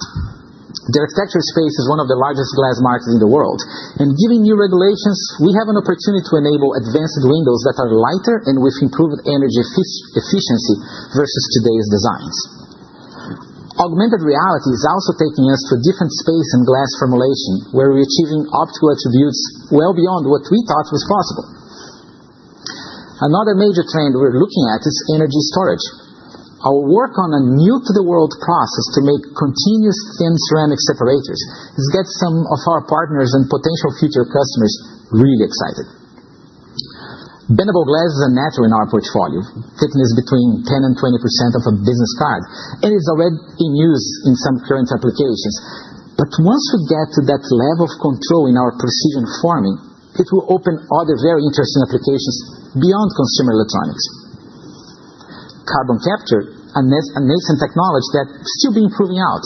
the architecture space is one of the largest glass markets in the world. Given new regulations, we have an opportunity to enable advanced windows that are lighter and with improved energy efficiency versus today's designs. Augmented reality is also taking us to a different space in glass formulation, where we're achieving optical attributes well beyond what we thought was possible. Another major trend we're looking at is energy storage. Our work on a new-to-the-world process to make continuous thin ceramic separators has got some of our partners and potential future customers really excited. Bendable glass is a natural in our portfolio, thickness between 10-20% of a business card, and it's already in use in some current applications. Once we get to that level of control in our precision forming, it will open other very interesting applications beyond consumer electronics. Carbon capture, a nascent technology, is still being proven out.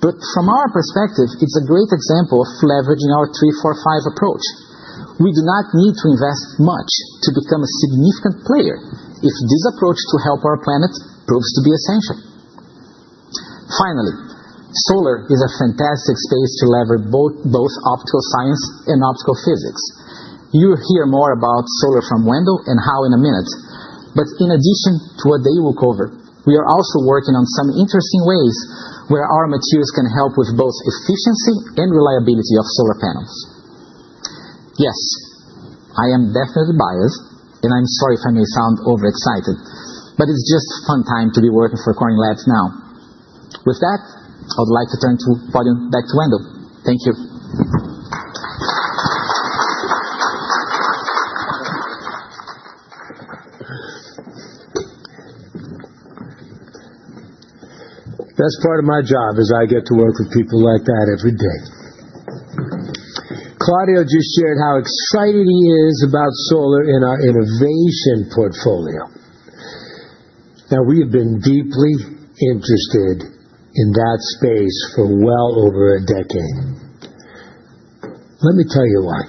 From our perspective, it is a great example of leveraging our 345 approach. We do not need to invest much to become a significant player if this approach to help our planet proves to be essential. Finally, solar is a fantastic space to leverage both optical science and optical physics. You will hear more about solar from Wendell and how in a minute. In addition to what they will cover, we are also working on some interesting ways where our materials can help with both efficiency and reliability of solar panels. Yes, I am definitely biased, and I am sorry if I may sound overexcited, but it is just a fun time to be working for Corning Labs now. With that, I would like to turn the podium back to Wendell. Thank you. That's part of my job, is I get to work with people like that every day. Claudio just shared how excited he is about solar in our innovation portfolio. Now, we have been deeply interested in that space for well over a decade. Let me tell you why.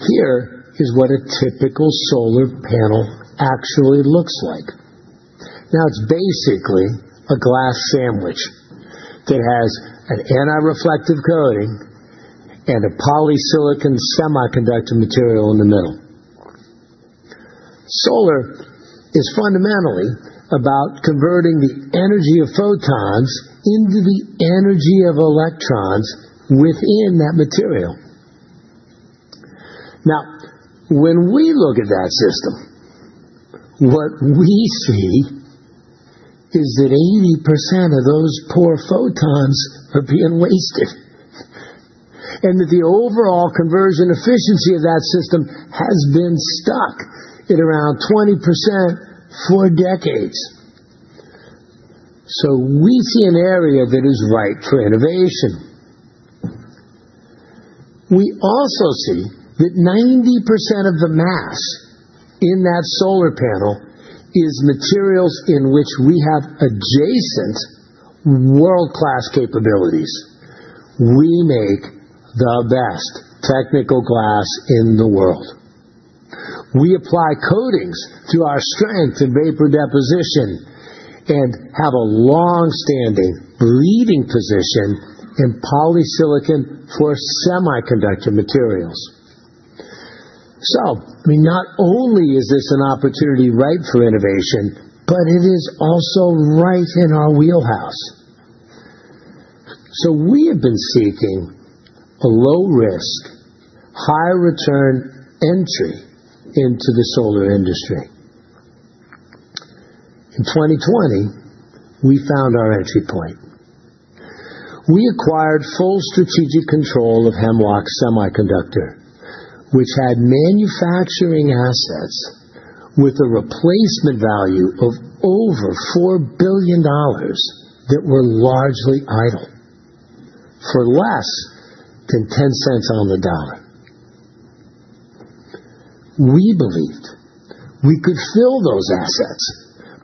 Here is what a typical solar panel actually looks like. Now, it's basically a glass sandwich that has an anti-reflective coating and a polysilicon semiconductor material in the middle. Solar is fundamentally about converting the energy of photons into the energy of electrons within that material. Now, when we look at that system, what we see is that 80% of those poor photons are being wasted and that the overall conversion efficiency of that system has been stuck at around 20% for decades. We see an area that is ripe for innovation. We also see that 90% of the mass in that solar panel is materials in which we have adjacent world-class capabilities. We make the best technical glass in the world. We apply coatings to our strength and vapor deposition and have a long-standing breathing position in polysilicon for semiconductor materials. I mean, not only is this an opportunity ripe for innovation, but it is also right in our wheelhouse. We have been seeking a low-risk, high-return entry into the solar industry. In 2020, we found our entry point. We acquired full strategic control of Hemlock Semiconductor, which had manufacturing assets with a replacement value of over $4 billion that were largely idle for less than $0.10 on the dollar. We believed we could fill those assets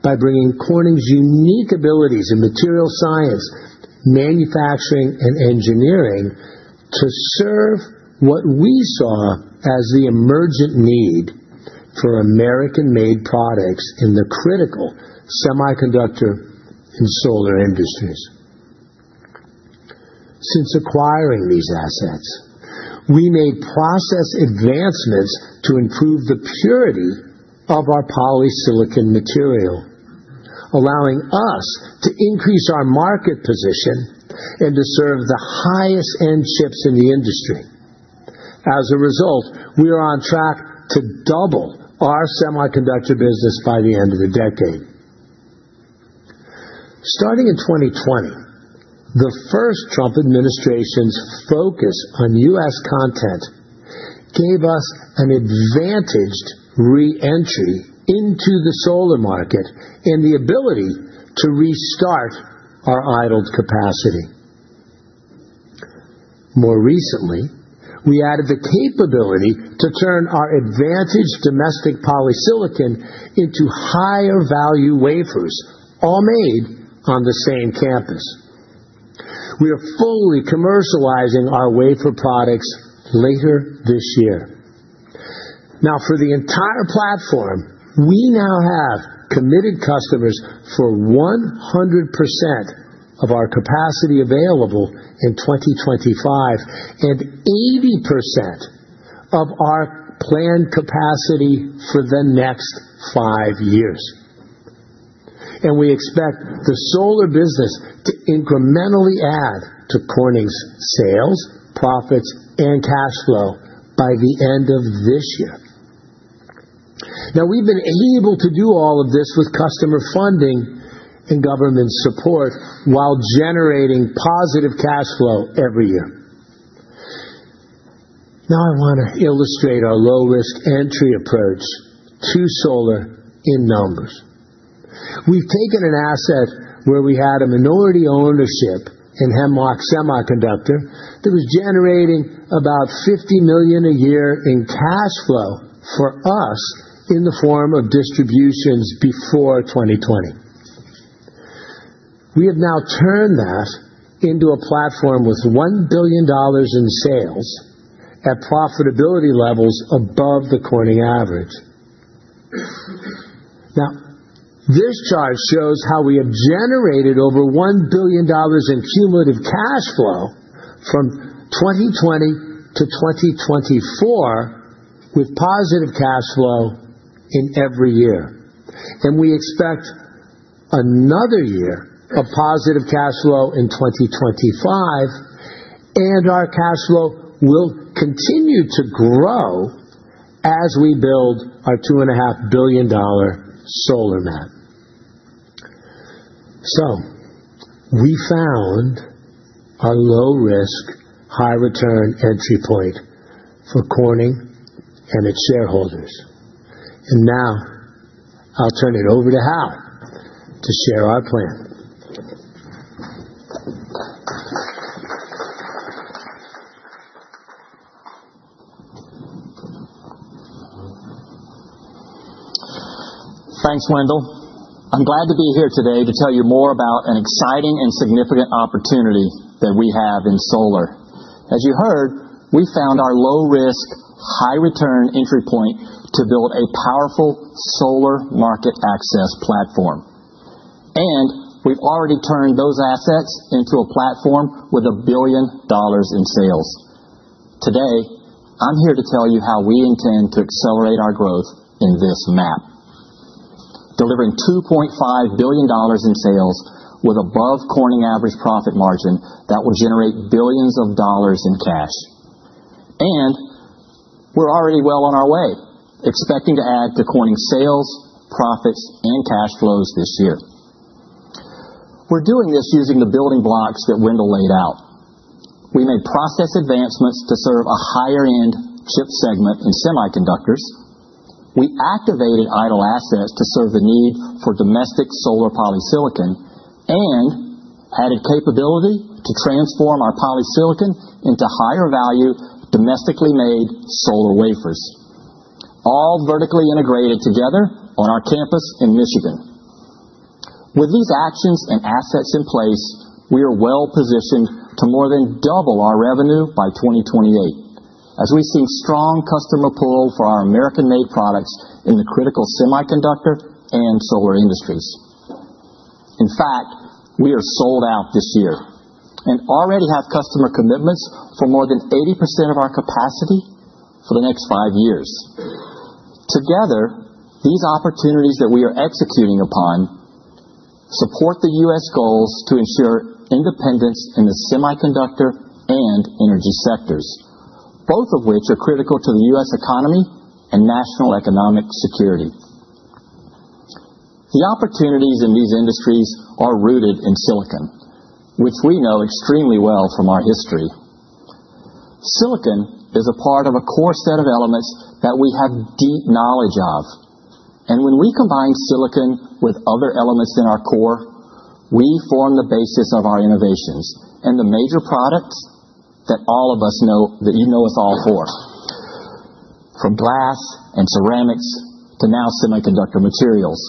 by bringing Corning's unique abilities in material science, manufacturing, and engineering to serve what we saw as the emergent need for American-made products in the critical semiconductor and solar industries. Since acquiring these assets, we made process advancements to improve the purity of our polysilicon material, allowing us to increase our market position and to serve the highest-end chips in the industry. As a result, we are on track to double our semiconductor business by the end of the decade. Starting in 2020, the first Trump administration's focus on U.S. content gave us an advantaged re-entry into the solar market and the ability to restart our idled capacity. More recently, we added the capability to turn our advantaged domestic polysilicon into higher-value wafers, all made on the same campus. We are fully commercializing our wafer products later this year. Now, for the entire platform, we now have committed customers for 100% of our capacity available in 2025 and 80% of our planned capacity for the next five years. We expect the solar business to incrementally add to Corning's sales, profits, and cash flow by the end of this year. We have been able to do all of this with customer funding and government support while generating positive cash flow every year. I want to illustrate our low-risk entry approach to solar in numbers. We have taken an asset where we had a minority ownership in Hemlock Semiconductor that was generating about $50 million a year in cash flow for us in the form of distributions before 2020. We have now turned that into a platform with $1 billion in sales at profitability levels above the Corning average. Now, this chart shows how we have generated over $1 billion in cumulative cash flow from 2020 to 2024 with positive cash flow in every year. We expect another year of positive cash flow in 2025, and our cash flow will continue to grow as we build our $2.5 billion solar map. We found our low-risk, high-return entry point for Corning and its shareholders. Now, I'll turn it over to Hal to share our plan. Thanks, Wendell. I'm glad to be here today to tell you more about an exciting and significant opportunity that we have in solar. As you heard, we found our low-risk, high-return entry point to build a powerful solar market access platform. We have already turned those assets into a platform with $1 billion in sales. Today, I'm here to tell you how we intend to accelerate our growth in this map, delivering $2.5 billion in sales with above Corning average profit margin that will generate billions of dollars in cash. We're already well on our way, expecting to add to Corning's sales, profits, and cash flows this year. We're doing this using the building blocks that Wendell laid out. We made process advancements to serve a higher-end chip segment in semiconductors. We activated idle assets to serve the need for domestic solar polysilicon and added capability to transform our polysilicon into higher-value domestically made solar wafers, all vertically integrated together on our campus in Michigan. With these actions and assets in place, we are well positioned to more than double our revenue by 2028, as we've seen strong customer pull for our American-made products in the critical semiconductor and solar industries. In fact, we are sold out this year and already have customer commitments for more than 80% of our capacity for the next five years. Together, these opportunities that we are executing upon support the U.S. goals to ensure independence in the semiconductor and energy sectors, both of which are critical to the U.S. economy and national economic security. The opportunities in these industries are rooted in silicon, which we know extremely well from our history. Silicon is a part of a core set of elements that we have deep knowledge of. When we combine silicon with other elements in our core, we form the basis of our innovations and the major products that all of us know that you know us all for, from glass and ceramics to now semiconductor materials.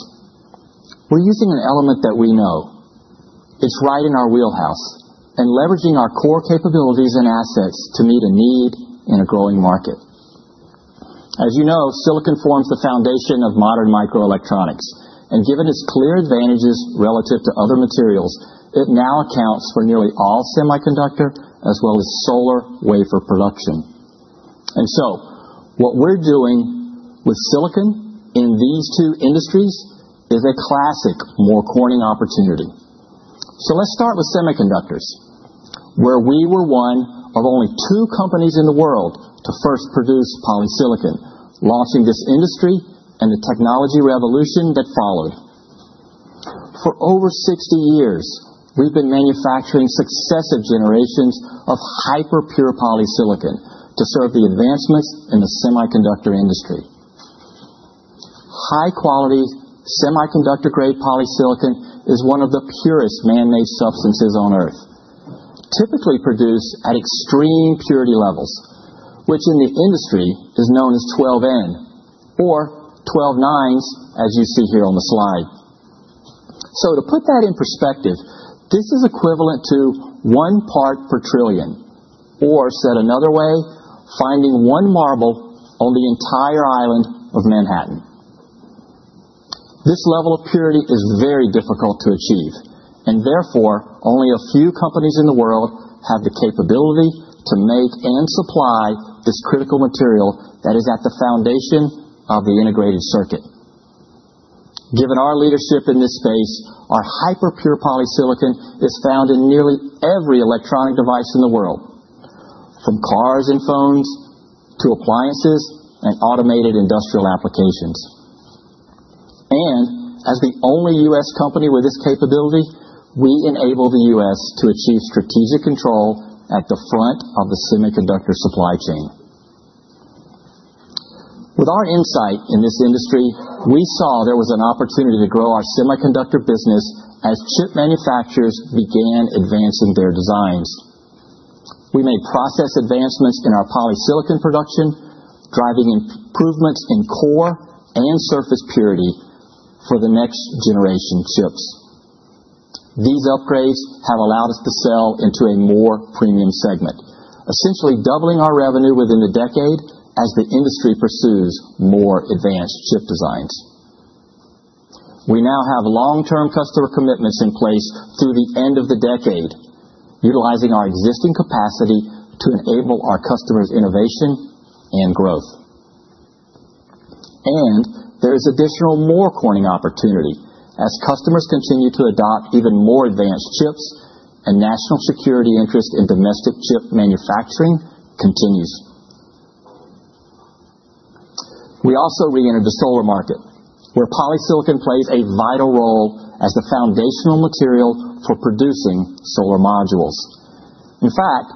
We're using an element that we know. It's right in our wheelhouse and leveraging our core capabilities and assets to meet a need in a growing market. As you know, silicon forms the foundation of modern microelectronics. Given its clear advantages relative to other materials, it now accounts for nearly all semiconductor as well as solar wafer production. What we're doing with silicon in these two industries is a classic more Corning opportunity. Let's start with semiconductors, where we were one of only two companies in the world to first produce polysilicon, launching this industry and the technology revolution that followed. For over 60 years, we've been manufacturing successive generations of hyper-pure polysilicon to serve the advancements in the semiconductor industry. High-quality semiconductor-grade polysilicon is one of the purest man-made substances on Earth, typically produced at extreme purity levels, which in the industry is known as 12N or 12 nines, as you see here on the slide. To put that in perspective, this is equivalent to one part per trillion, or said another way, finding one marble on the entire island of Manhattan. This level of purity is very difficult to achieve, and therefore, only a few companies in the world have the capability to make and supply this critical material that is at the foundation of the integrated circuit. Given our leadership in this space, our hyper-pure polysilicon is found in nearly every electronic device in the world, from cars and phones to appliances and automated industrial applications. As the only U.S. company with this capability, we enable the U.S. To achieve strategic control at the front of the semiconductor supply chain. With our insight in this industry, we saw there was an opportunity to grow our semiconductor business as chip manufacturers began advancing their designs. We made process advancements in our polysilicon production, driving improvements in core and surface purity for the next generation chips. These upgrades have allowed us to sell into a more premium segment, essentially doubling our revenue within the decade as the industry pursues more advanced chip designs. We now have long-term customer commitments in place through the end of the decade, utilizing our existing capacity to enable our customers' innovation and growth. There is additional more Corning opportunity as customers continue to adopt even more advanced chips and national security interest in domestic chip manufacturing continues. We also re-entered the solar market, where polysilicon plays a vital role as the foundational material for producing solar modules. In fact,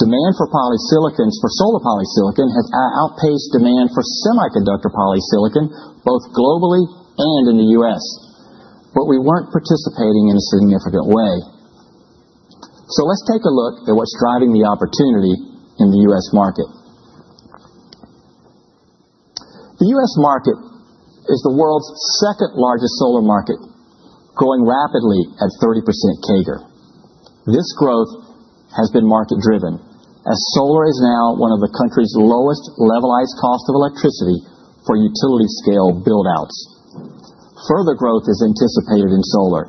demand for solar polysilicon has outpaced demand for semiconductor polysilicon, both globally and in the U.S., but we were not participating in a significant way. Let us take a look at what is driving the opportunity in the U.S. market. The U.S. market is the world's second-largest solar market, growing rapidly at 30% CAGR. This growth has been market-driven, as solar is now one of the country's lowest levelized costs of electricity for utility-scale buildouts. Further growth is anticipated in solar,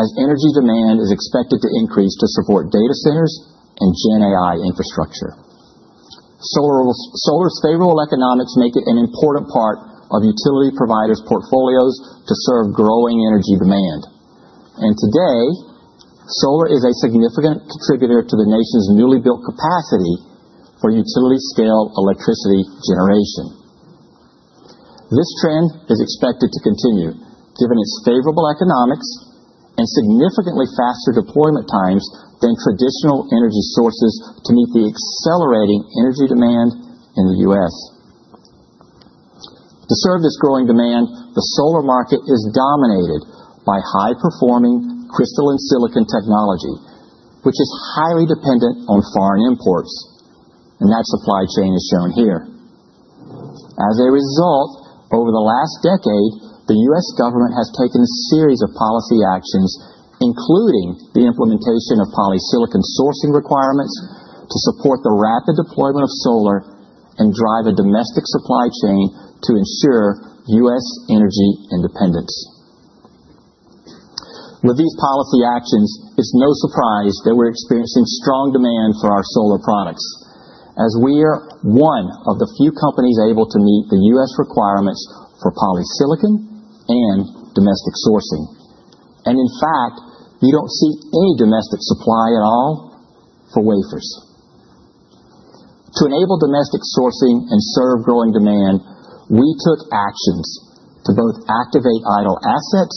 as energy demand is expected to increase to support data centers and GenAI infrastructure. Solar's favorable economics make it an important part of utility providers' portfolios to serve growing energy demand. Today, solar is a significant contributor to the nation's newly built capacity for utility-scale electricity generation. This trend is expected to continue, given its favorable economics and significantly faster deployment times than traditional energy sources to meet the accelerating energy demand in the U.S. To serve this growing demand, the solar market is dominated by high-performing crystalline silicon technology, which is highly dependent on foreign imports. That supply chain is shown here. As a result, over the last decade, the U.S. government has taken a series of policy actions, including the implementation of polysilicon sourcing requirements to support the rapid deployment of solar and drive a domestic supply chain to ensure U.S. energy independence. With these policy actions, it's no surprise that we're experiencing strong demand for our solar products, as we are one of the few companies able to meet the U.S. requirements for polysilicon and domestic sourcing. In fact, you don't see any domestic supply at all for wafers. To enable domestic sourcing and serve growing demand, we took actions to both activate idle assets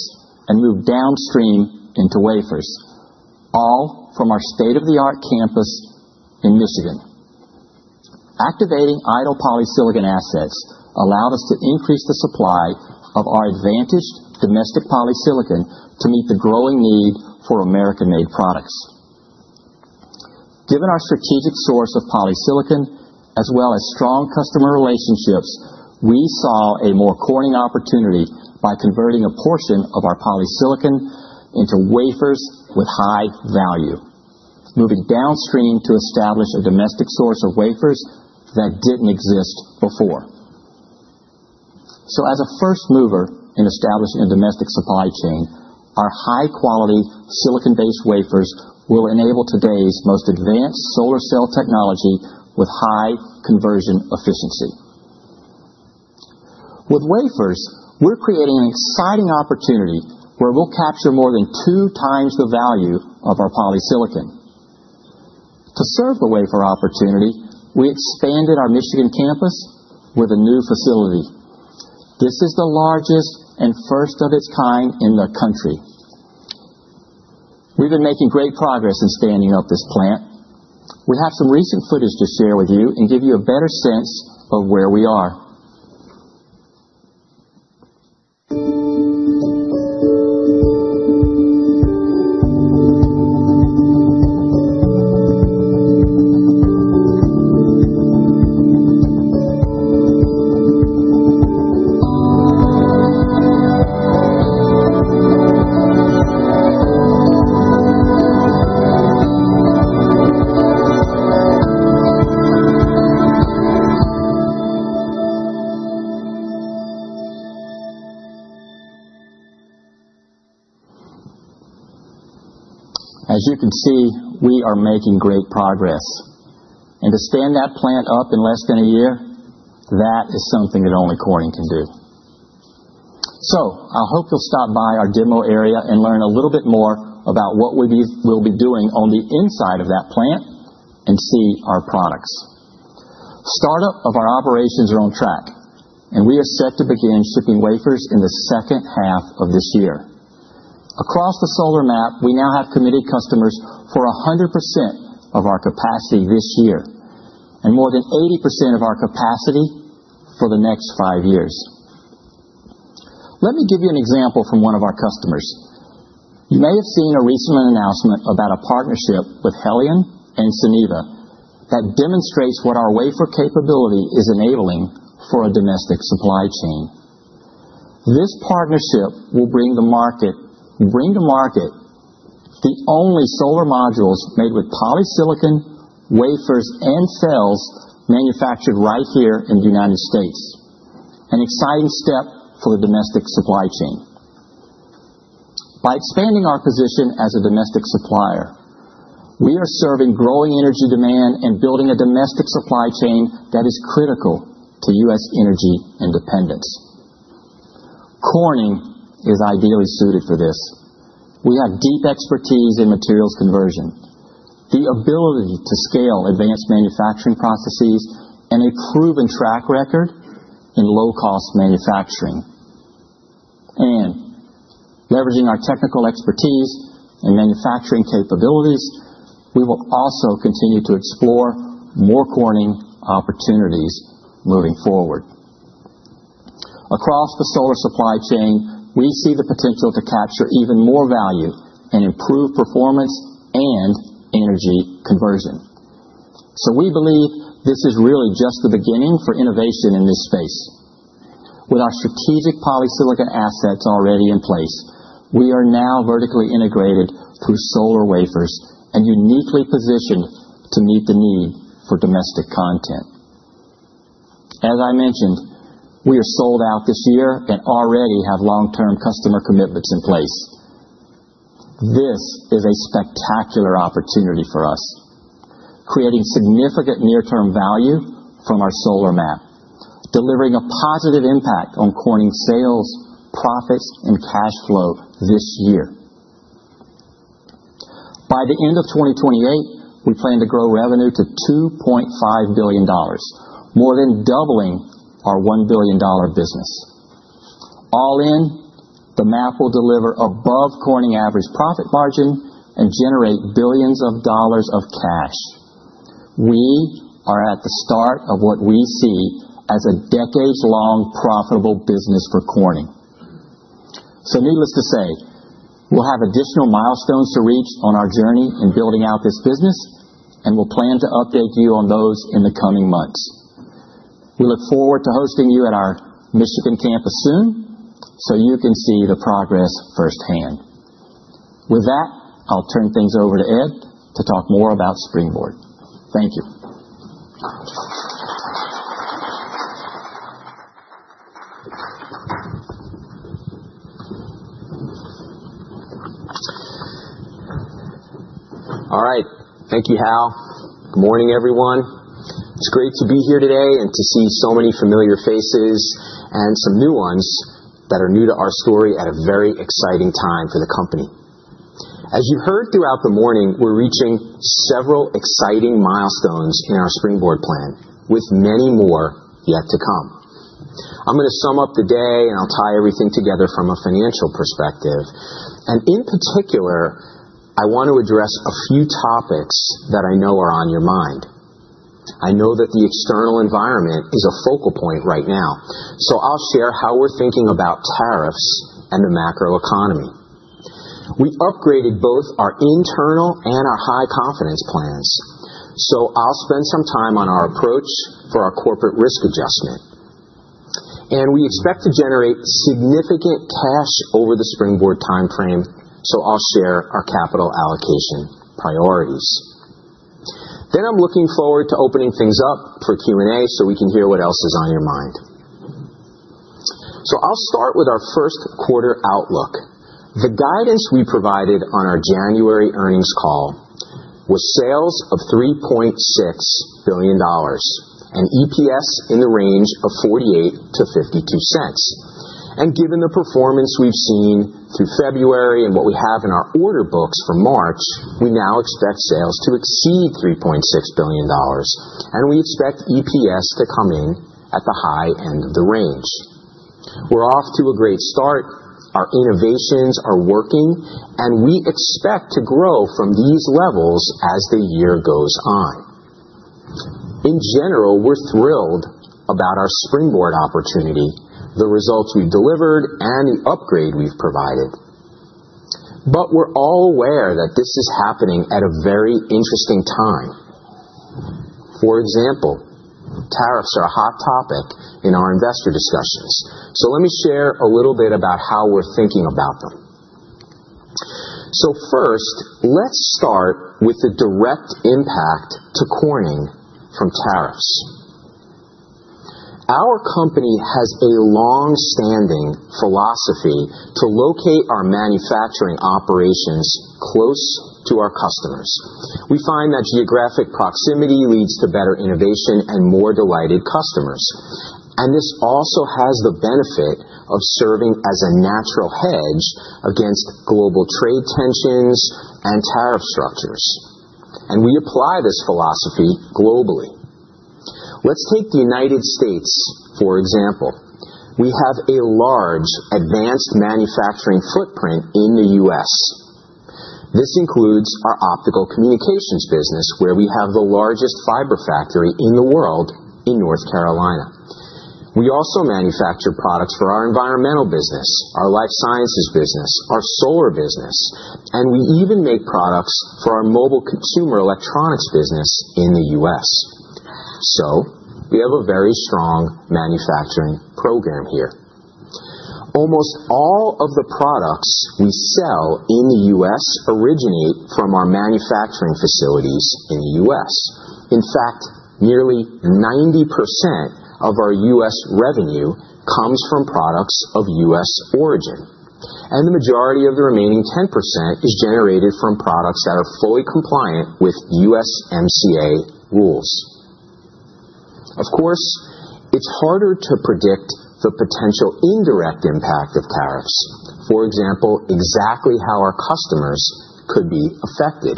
and move downstream into wafers, all from our state-of-the-art campus in Michigan. Activating idle polysilicon assets allowed us to increase the supply of our advantaged domestic polysilicon to meet the growing need for American-made products. Given our strategic source of polysilicon, as well as strong customer relationships, we saw a more Corning opportunity by converting a portion of our polysilicon into wafers with high value, moving downstream to establish a domestic source of wafers that did not exist before. As a first mover in establishing a domestic supply chain, our high-quality silicon-based wafers will enable today's most advanced solar cell technology with high conversion efficiency. With wafers, we are creating an exciting opportunity where we will capture more than two times the value of our polysilicon. To serve the wafer opportunity, we expanded our Michigan campus with a new facility. This is the largest and first of its kind in the country. We've been making great progress in standing up this plant. We have some recent footage to share with you and give you a better sense of where we are. As you can see, we are making great progress. To stand that plant up in less than a year, that is something that only Corning can do. I hope you'll stop by our demo area and learn a little bit more about what we will be doing on the inside of that plant and see our products. Startup of our operations is on track, and we are set to begin shipping wafers in the second half of this year. Across the solar map, we now have committed customers for 100% of our capacity this year and more than 80% of our capacity for the next five years. Let me give you an example from one of our customers. You may have seen a recent announcement about a partnership with Heliene and Suniva that demonstrates what our wafer capability is enabling for a domestic supply chain. This partnership will bring the market the only solar modules made with polysilicon wafers and cells manufactured right here in the U.S., an exciting step for the domestic supply chain. By expanding our position as a domestic supplier, we are serving growing energy demand and building a domestic supply chain that is critical to U.S. energy independence. Corning is ideally suited for this. We have deep expertise in materials conversion, the ability to scale advanced manufacturing processes, and a proven track record in low-cost manufacturing. Leveraging our technical expertise and manufacturing capabilities, we will also continue to explore more Corning opportunities moving forward. Across the solar supply chain, we see the potential to capture even more value and improve performance and energy conversion. We believe this is really just the beginning for innovation in this space. With our strategic polysilicon assets already in place, we are now vertically integrated through solar wafers and uniquely positioned to meet the need for domestic content. As I mentioned, we are sold out this year and already have long-term customer commitments in place. This is a spectacular opportunity for us, creating significant near-term value from our solar map, delivering a positive impact on Corning sales, profits, and cash flow this year. By the end of 2028, we plan to grow revenue to $2.5 billion, more than doubling our $1 billion business. All in, the map will deliver above Corning's average profit margin and generate billions of dollars of cash. We are at the start of what we see as a decades-long profitable business for Corning. Needless to say, we'll have additional milestones to reach on our journey in building out this business, and we'll plan to update you on those in the coming months. We look forward to hosting you at our Michigan campus soon so you can see the progress firsthand. With that, I'll turn things over to Ed to talk more about Springboard. Thank you. All right. Thank you, Hal. Good morning, everyone. It's great to be here today and to see so many familiar faces and some new ones that are new to our story at a very exciting time for the company. As you heard throughout the morning, we're reaching several exciting milestones in our Springboard Plan, with many more yet to come. I'm going to sum up the day, and I'll tie everything together from a financial perspective. In particular, I want to address a few topics that I know are on your mind. I know that the external environment is a focal point right now, so I'll share how we're thinking about tariffs and the macroeconomy. We upgraded both our internal and our high-confidence plans, so I'll spend some time on our approach for our corporate risk adjustment. We expect to generate significant cash over the Springboard timeframe, so I'll share our capital allocation priorities. I am looking forward to opening things up for Q&A so we can hear what else is on your mind. I will start with our first quarter outlook. The guidance we provided on our January earnings call was sales of $3.6 billion and EPS in the range of $0.48-$0.52. Given the performance we have seen through February and what we have in our order books for March, we now expect sales to exceed $3.6 billion, and we expect EPS to come in at the high end of the range. We are off to a great start. Our innovations are working, and we expect to grow from these levels as the year goes on. In general, we are thrilled about our Springboard opportunity, the results we have delivered, and the upgrade we have provided. We are all aware that this is happening at a very interesting time. For example, tariffs are a hot topic in our investor discussions. Let me share a little bit about how we're thinking about them. First, let's start with the direct impact to Corning from tariffs. Our company has a long-standing philosophy to locate our manufacturing operations close to our customers. We find that geographic proximity leads to better innovation and more delighted customers. This also has the benefit of serving as a natural hedge against global trade tensions and tariff structures. We apply this philosophy globally. Take the United States, for example. We have a large advanced manufacturing footprint in the U.S. This includes our Optical Communications business, where we have the largest fiber factory in the world in North Carolina. We also manufacture products for our Environmental Technologies business, our Life Sciences business, our Solar business, and we even make products for our Mobile Consumer Electronics business in the U.S. We have a very strong manufacturing program here. Almost all of the products we sell in the U.S. originate from our manufacturing facilities in the U.S. In fact, nearly 90% of our U.S. revenue comes from products of U.S. origin. The majority of the remaining 10% is generated from products that are fully compliant with U.S. MCA rules. Of course, it is harder to predict the potential indirect impact of tariffs, for example, exactly how our customers could be affected.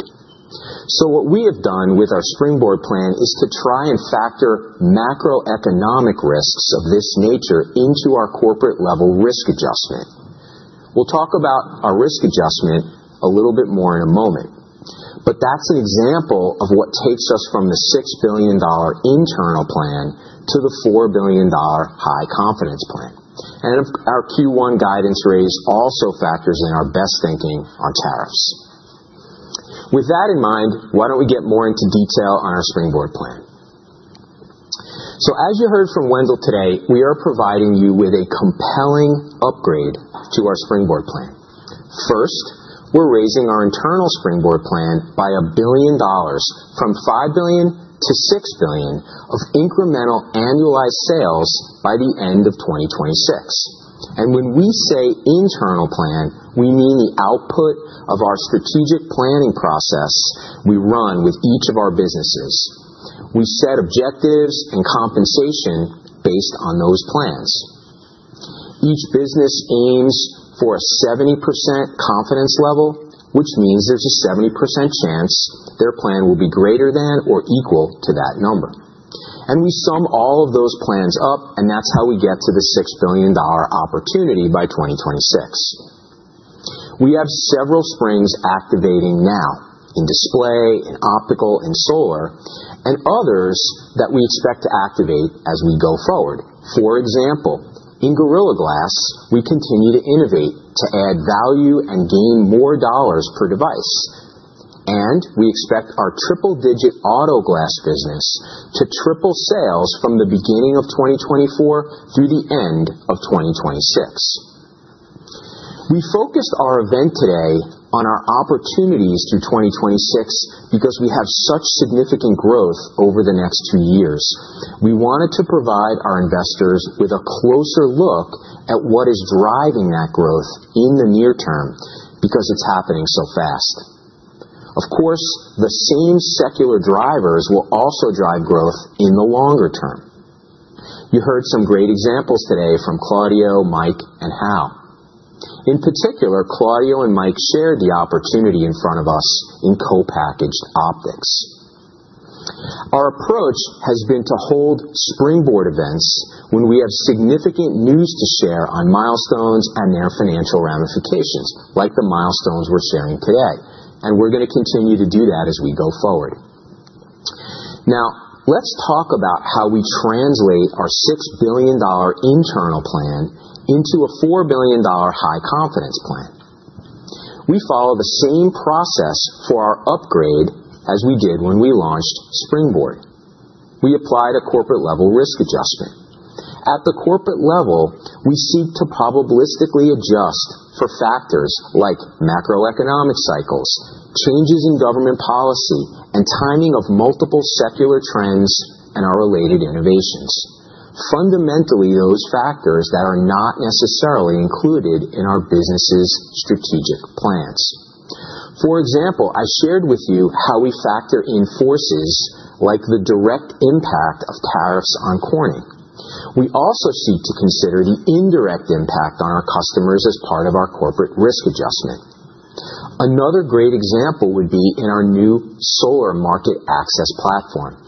What we have done with our Springboard Plan is to try and factor macroeconomic risks of this nature into our corporate-level risk adjustment. We will talk about our risk adjustment a little bit more in a moment. That's an example of what takes us from the $6 billion internal plan to the $4 billion high-confidence plan. Our Q1 guidance rates also factor in our best thinking on tariffs. With that in mind, why don't we get more into detail on our Springboard plan? As you heard from Wendell today, we are providing you with a compelling upgrade to our Springboard plan. First, we're raising our internal Springboard plan by $1 billion from $5 billion to $6 billion of incremental annualized sales by the end of 2026. When we say internal plan, we mean the output of our strategic planning process we run with each of our businesses. We set objectives and compensation based on those plans. Each business aims for a 70% confidence level, which means there's a 70% chance their plan will be greater than or equal to that number. We sum all of those plans up, and that's how we get to the $6 billion opportunity by 2026. We have several springs activating now in display, in optical, in solar, and others that we expect to activate as we go forward. For example, in Gorilla Glass, we continue to innovate to add value and gain more dollars per device. We expect our triple-digit auto glass business to triple sales from the beginning of 2024 through the end of 2026. We focused our event today on our opportunities through 2026 because we have such significant growth over the next two years. We wanted to provide our investors with a closer look at what is driving that growth in the near term because it's happening so fast. Of course, the same secular drivers will also drive growth in the longer term. You heard some great examples today from Claudio, Mike, and Hal. In particular, Claudio and Mike shared the opportunity in front of us in co-packaged optics. Our approach has been to hold Springboard events when we have significant news to share on milestones and their financial ramifications, like the milestones we are sharing today. We are going to continue to do that as we go forward. Now, let's talk about how we translate our $6 billion internal plan into a $4 billion high-confidence plan. We follow the same process for our upgrade as we did when we launched Springboard. We applied a corporate-level risk adjustment. At the corporate level, we seek to probabilistically adjust for factors like macroeconomic cycles, changes in government policy, and timing of multiple secular trends and our related innovations, fundamentally those factors that are not necessarily included in our business's strategic plans. For example, I shared with you how we factor in forces like the direct impact of tariffs on Corning. We also seek to consider the indirect impact on our customers as part of our corporate risk adjustment. Another great example would be in our new solar market access platform.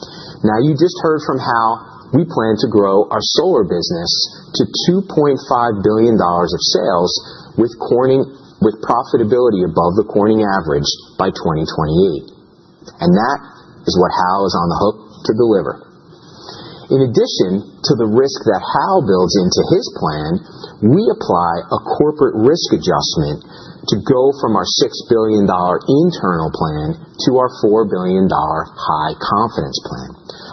Now, you just heard from Hal we plan to grow our solar business to $2.5 billion of sales with profitability above the Corning average by 2028. That is what Hal is on the hook to deliver. In addition to the risk that Hal builds into his plan, we apply a corporate risk adjustment to go from our $6 billion internal plan to our $4 billion high-confidence plan.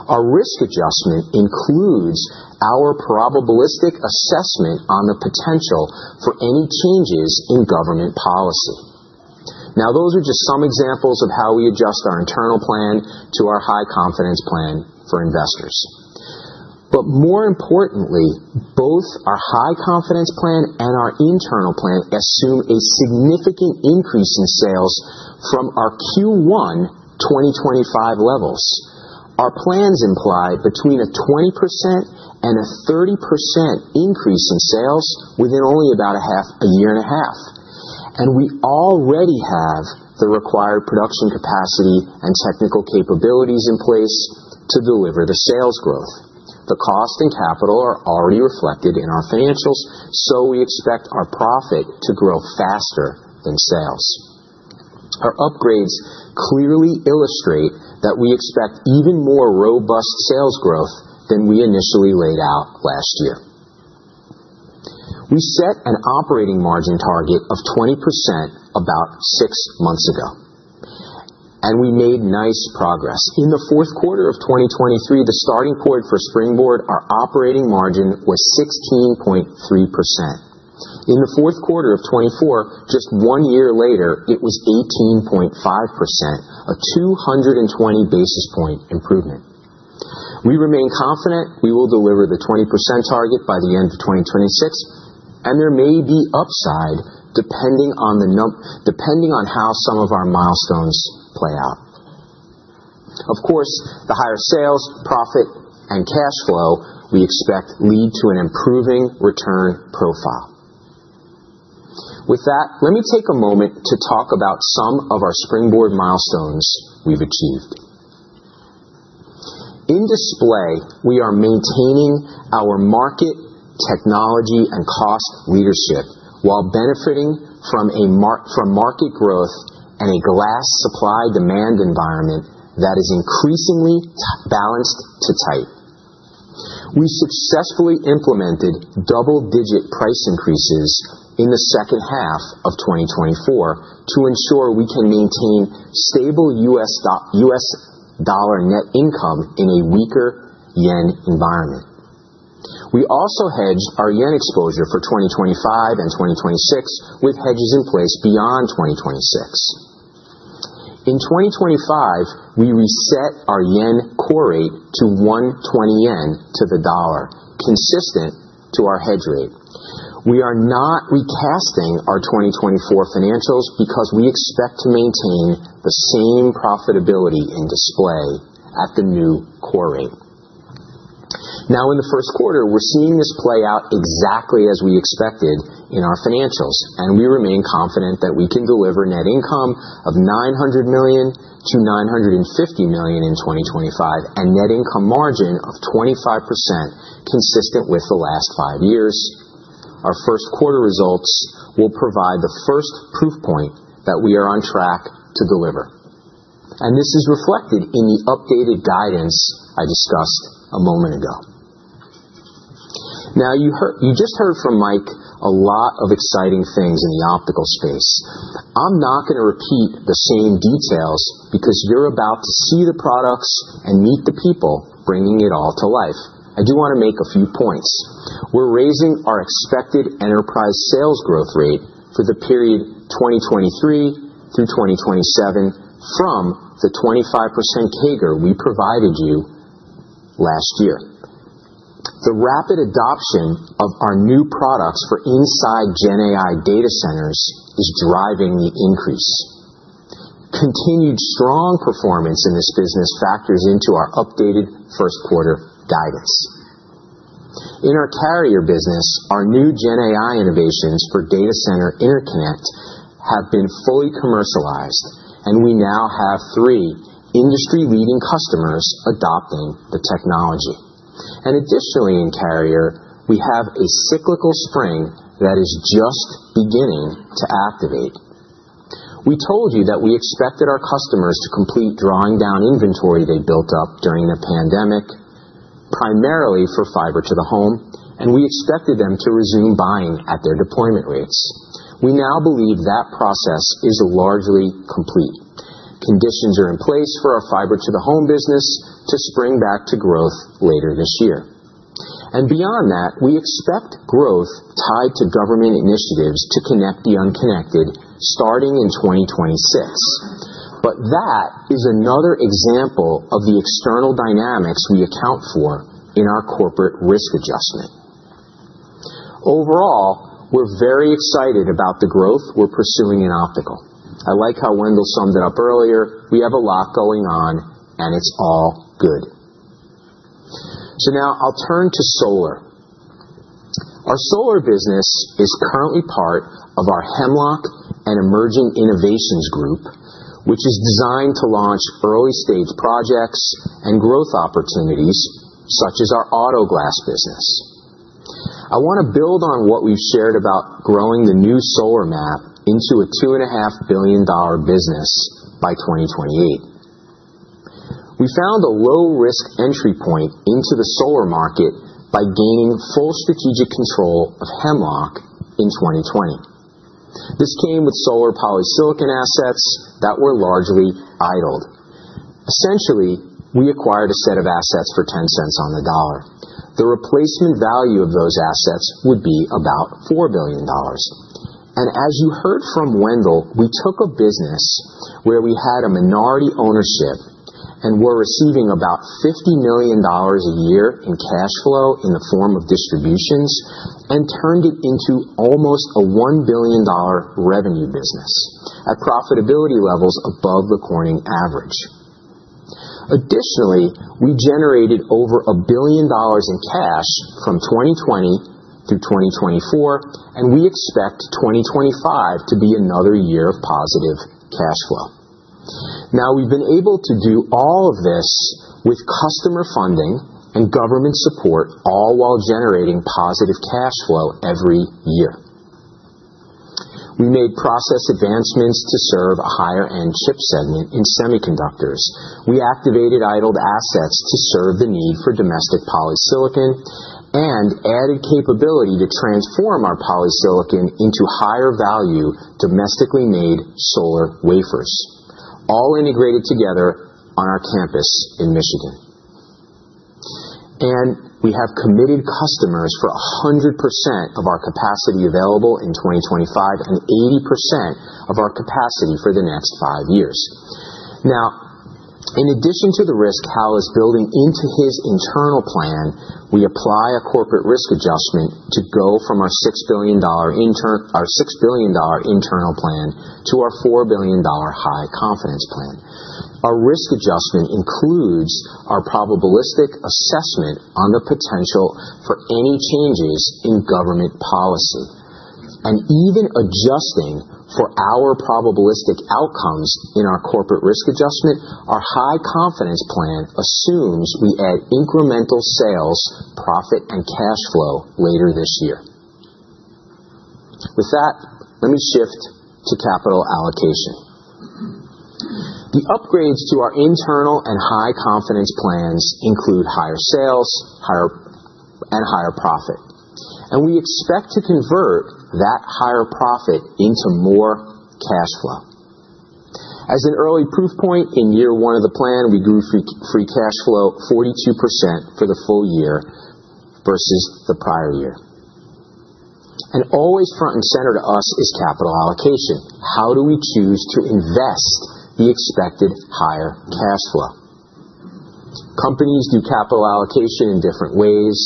Our risk adjustment includes our probabilistic assessment on the potential for any changes in government policy. Now, those are just some examples of how we adjust our internal plan to our high-confidence plan for investors. More importantly, both our high-confidence plan and our internal plan assume a significant increase in sales from our Q1 2025 levels. Our plans imply between a 20% and a 30% increase in sales within only about a year and a half. We already have the required production capacity and technical capabilities in place to deliver the sales growth. The cost and capital are already reflected in our financials, so we expect our profit to grow faster than sales. Our upgrades clearly illustrate that we expect even more robust sales growth than we initially laid out last year. We set an operating margin target of 20% about six months ago, and we made nice progress. In the fourth quarter of 2023, the starting point for Springboard, our operating margin was 16.3%. In the fourth quarter of 2024, just one year later, it was 18.5%, a 220 basis point improvement. We remain confident we will deliver the 20% target by the end of 2026, and there may be upside depending on how some of our milestones play out. Of course, the higher sales, profit, and cash flow we expect lead to an improving return profile. With that, let me take a moment to talk about some of our Springboard milestones we've achieved. In display, we are maintaining our market technology and cost leadership while benefiting from market growth and a glass supply demand environment that is increasingly balanced to tight. We successfully implemented double-digit price increases in the second half of 2024 to ensure we can maintain stable U.S. Dollar net income in a weaker yen environment. We also hedged our yen exposure for 2025 and 2026 with hedges in place beyond 2026. In 2025, we reset our yen core rate to 120 yen to the dollar, consistent to our hedge rate. We are not recasting our 2024 financials because we expect to maintain the same profitability in Display at the new core rate. Now, in the first quarter, we're seeing this play out exactly as we expected in our financials, and we remain confident that we can deliver net income of $900 million-$950 million in 2025 and net income margin of 25%, consistent with the last five years. Our first quarter results will provide the first proof point that we are on track to deliver. This is reflected in the updated guidance I discussed a moment ago. Now, you just heard from Mike a lot of exciting things in the optical space. I'm not going to repeat the same details because you're about to see the products and meet the people bringing it all to life. I do want to make a few points. We're raising our expected enterprise sales growth rate for the period 2023 through 2027 from the 25% CAGR we provided you last year. The rapid adoption of our new products for inside GenAI data centers is driving the increase. Continued strong performance in this business factors into our updated first quarter guidance. In our carrier business, our new GenAI innovations for data center interconnect have been fully commercialized, and we now have three industry-leading customers adopting the technology. Additionally, in carrier, we have a cyclical spring that is just beginning to activate. We told you that we expected our customers to complete drawing down inventory they built up during the pandemic, primarily for fiber to the home, and we expected them to resume buying at their deployment rates. We now believe that process is largely complete. Conditions are in place for our fiber to the home business to spring back to growth later this year. Beyond that, we expect growth tied to government initiatives to connect the unconnected starting in 2026. That is another example of the external dynamics we account for in our corporate risk adjustment. Overall, we're very excited about the growth we're pursuing in optical. I like how Wendell summed it up earlier. We have a lot going on, and it's all good. Now I'll turn to solar. Our solar business is currently part of our Hemlock and Emerging Innovations Group, which is designed to launch early-stage projects and growth opportunities such as our auto glass business. I want to build on what we've shared about growing the new solar map into a $2.5 billion business by 2028. We found a low-risk entry point into the solar market by gaining full strategic control of Hemlock in 2020. This came with solar polysilicon assets that were largely idled. Essentially, we acquired a set of assets for $0.10 on the dollar. The replacement value of those assets would be about $4 billion. As you heard from Wendell, we took a business where we had a minority ownership and were receiving about $50 million a year in cash flow in the form of distributions and turned it into almost a $1 billion revenue business at profitability levels above the Corning average. Additionally, we generated over $1 billion in cash from 2020 through 2024, and we expect 2025 to be another year of positive cash flow. We have been able to do all of this with customer funding and government support, all while generating positive cash flow every year. We made process advancements to serve a higher-end chip segment in semiconductors. We activated idled assets to serve the need for domestic polysilicon and added capability to transform our polysilicon into higher-value domestically made solar wafers, all integrated together on our campus in Michigan. We have committed customers for 100% of our capacity available in 2025 and 80% of our capacity for the next five years. In addition to the risk Hal is building into his internal plan, we apply a corporate risk adjustment to go from our $6 billion internal plan to our $4 billion high-confidence plan. Our risk adjustment includes our probabilistic assessment on the potential for any changes in government policy. Even adjusting for our probabilistic outcomes in our corporate risk adjustment, our high-confidence plan assumes we add incremental sales, profit, and cash flow later this year. With that, let me shift to capital allocation. The upgrades to our internal and high-confidence plans include higher sales and higher profit. We expect to convert that higher profit into more cash flow. As an early proof point, in year one of the plan, we grew free cash flow 42% for the full year versus the prior year. Always front and center to us is capital allocation. How do we choose to invest the expected higher cash flow? Companies do capital allocation in different ways.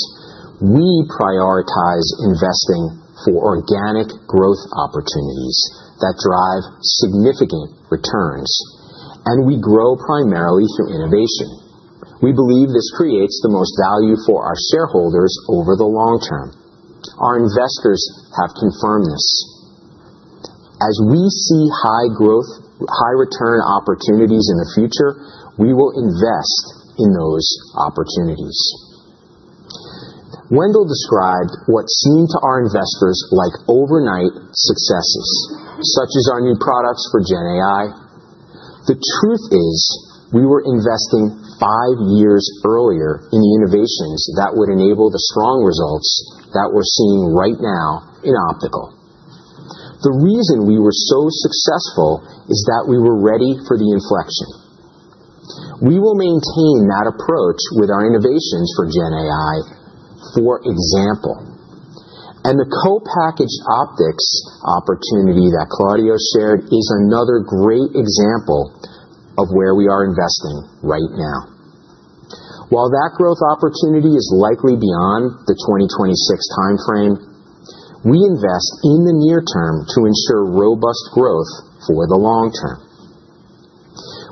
We prioritize investing for organic growth opportunities that drive significant returns. We grow primarily through innovation. We believe this creates the most value for our shareholders over the long term. Our investors have confirmed this. As we see high return opportunities in the future, we will invest in those opportunities. Wendell described what seemed to our investors like overnight successes, such as our new products for GenAI. The truth is we were investing five years earlier in the innovations that would enable the strong results that we are seeing right now in optical. The reason we were so successful is that we were ready for the inflection. We will maintain that approach with our innovations for GenAI, for example. The co-packaged optics opportunity that Claudio shared is another great example of where we are investing right now. While that growth opportunity is likely beyond the 2026 timeframe, we invest in the near term to ensure robust growth for the long term.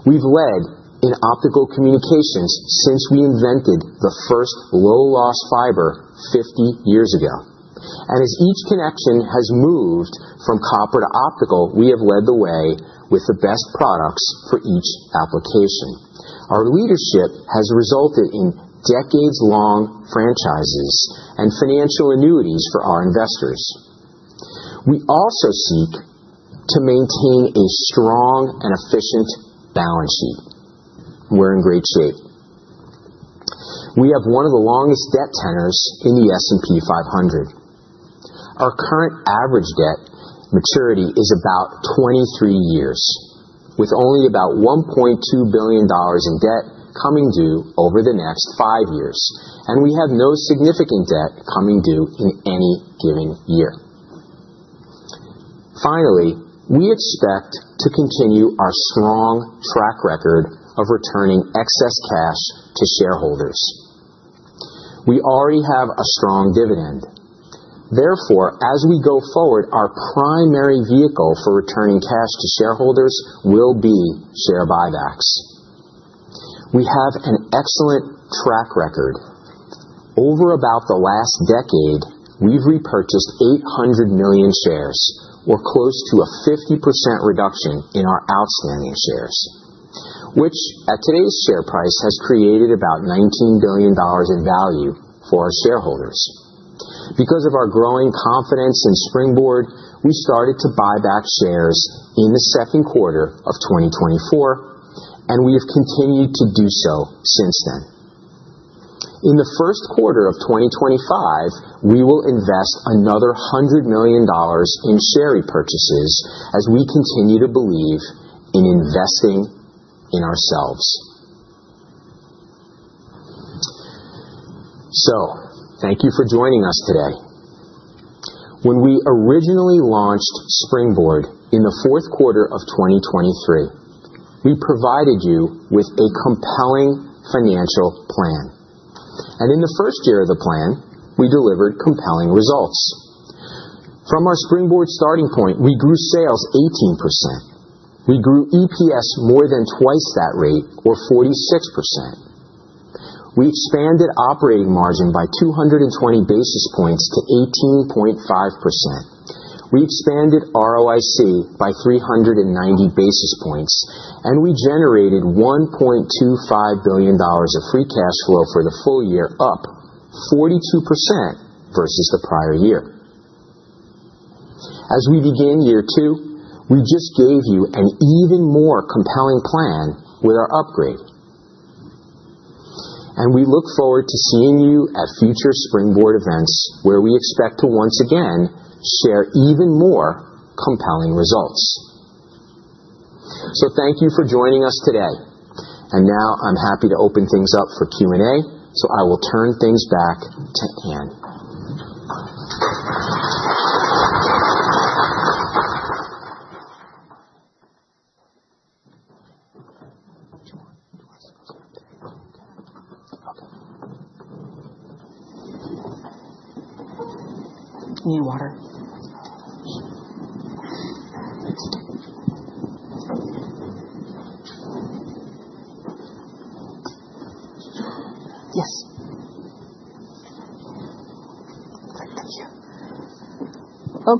We have led in optical communications since we invented the first low-loss fiber 50 years ago. As each connection has moved from copper to optical, we have led the way with the best products for each application. Our leadership has resulted in decades-long franchises and financial annuities for our investors. We also seek to maintain a strong and efficient balance sheet. We are in great shape. We have one of the longest debt tenors in the S&P 500. Our current average debt maturity is about 23 years, with only about $1.2 billion in debt coming due over the next five years. We have no significant debt coming due in any given year. Finally, we expect to continue our strong track record of returning excess cash to shareholders. We already have a strong dividend. Therefore, as we go forward, our primary vehicle for returning cash to shareholders will be share buybacks. We have an excellent track record. Over about the last decade, we've repurchased 800 million shares, or close to a 50% reduction in our outstanding shares, which at today's share price has created about $19 billion in value for our shareholders. Because of our growing confidence in Springboard, we started to buy back shares in the second quarter of 2024, and we have continued to do so since then. In the first quarter of 2025, we will invest another $100 million in share repurchases as we continue to believe in investing in ourselves. Thank you for joining us today. When we originally launched Springboard in the fourth quarter of 2023, we provided you with a compelling financial plan. In the first year of the plan, we delivered compelling results. From our Springboard starting point, we grew sales 18%. We grew EPS more than twice that rate, or 46%. We expanded operating margin by 220 basis points to 18.5%. We expanded ROIC by 390 basis points, and we generated $1.25 billion of free cash flow for the full year, up 42% versus the prior year. As we begin year two, we just gave you an even more compelling plan with our upgrade. We look forward to seeing you at future Springboard events where we expect to once again share even more compelling results. Thank you for joining us today. Now I am happy to open things up for Q&A, so I will turn things back to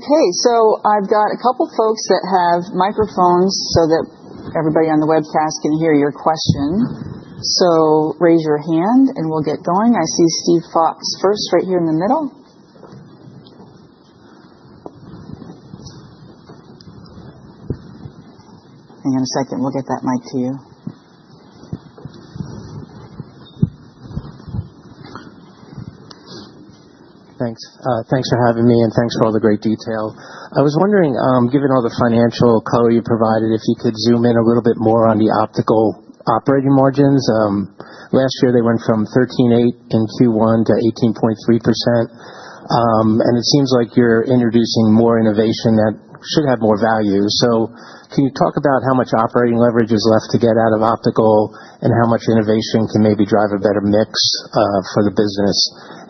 Ann. You need water? Yes. Thank you. Okay, I have a couple of folks that have microphones so that everybody on the webcast can hear your question. Raise your hand and we will get going. I see Steve Fox first right here in the middle. Hang on a second. We will get that mic to you. Thanks. Thanks for having me and thanks for all the great detail. I was wondering, given all the financial color you provided, if you could zoom in a little bit more on the optical operating margins. Last year, they went from 13.8% in Q1 to 18.3%. It seems like you're introducing more innovation that should have more value. Can you talk about how much operating leverage is left to get out of optical and how much innovation can maybe drive a better mix for the business?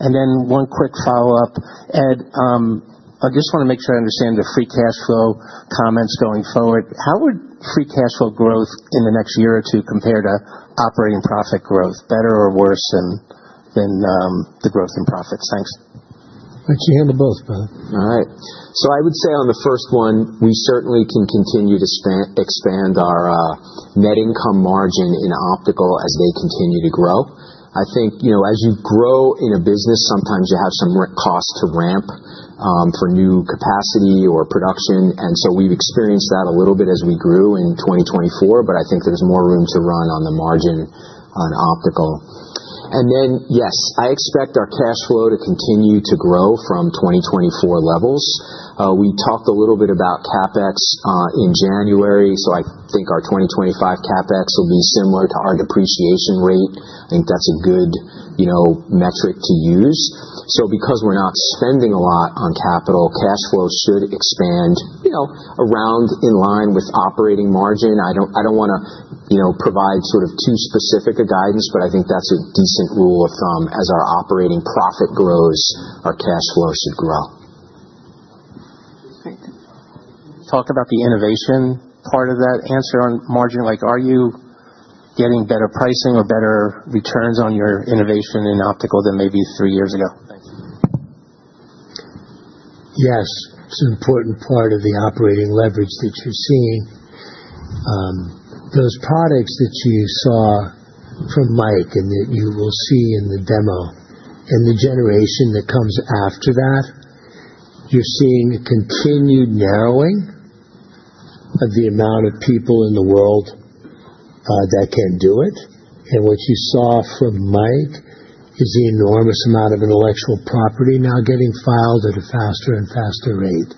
One quick follow-up. Ed, I just want to make sure I understand the free cash flow comments going forward. How would free cash flow growth in the next year or two compare to operating profit growth, better or worse than the growth in profits? Thanks. Thanks. You handle both, brother. All right. I would say on the first one, we certainly can continue to expand our net income margin in optical as they continue to grow. I think as you grow in a business, sometimes you have some cost to ramp for new capacity or production. We have experienced that a little bit as we grew in 2024, but I think there is more room to run on the margin on optical. Yes, I expect our cash flow to continue to grow from 2024 levels. We talked a little bit about CapEx in January, so I think our 2025 CapEx will be similar to our depreciation rate. I think that is a good metric to use. Because we are not spending a lot on capital, cash flow should expand around in line with operating margin. I do not want to provide too specific a guidance, but I think that is a decent rule of thumb. As our operating profit grows, our cash flow should grow. Talk about the innovation part of that answer on margin. Are you getting better pricing or better returns on your innovation in optical than maybe three years ago? Thanks. Yes. It's an important part of the operating leverage that you're seeing. Those products that you saw from Mike and that you will see in the demo and the generation that comes after that, you're seeing a continued narrowing of the amount of people in the world that can do it. And what you saw from Mike is the enormous amount of intellectual property now getting filed at a faster and faster rate.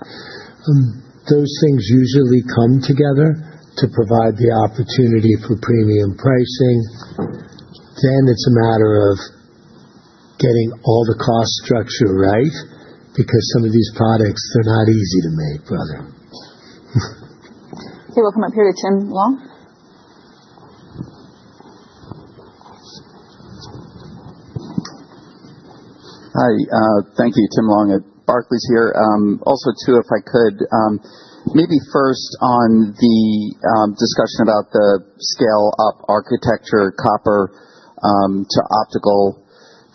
Those things usually come together to provide the opportunity for premium pricing. Then it's a matter of getting all the cost structure right because some of these products, they're not easy to make, brother. Okay. We'll come up here to Tim Long. Hi. Thank you, Tim Long. Barclays here. Also, too, if I could, maybe first on the discussion about the scale-up architecture, copper to optical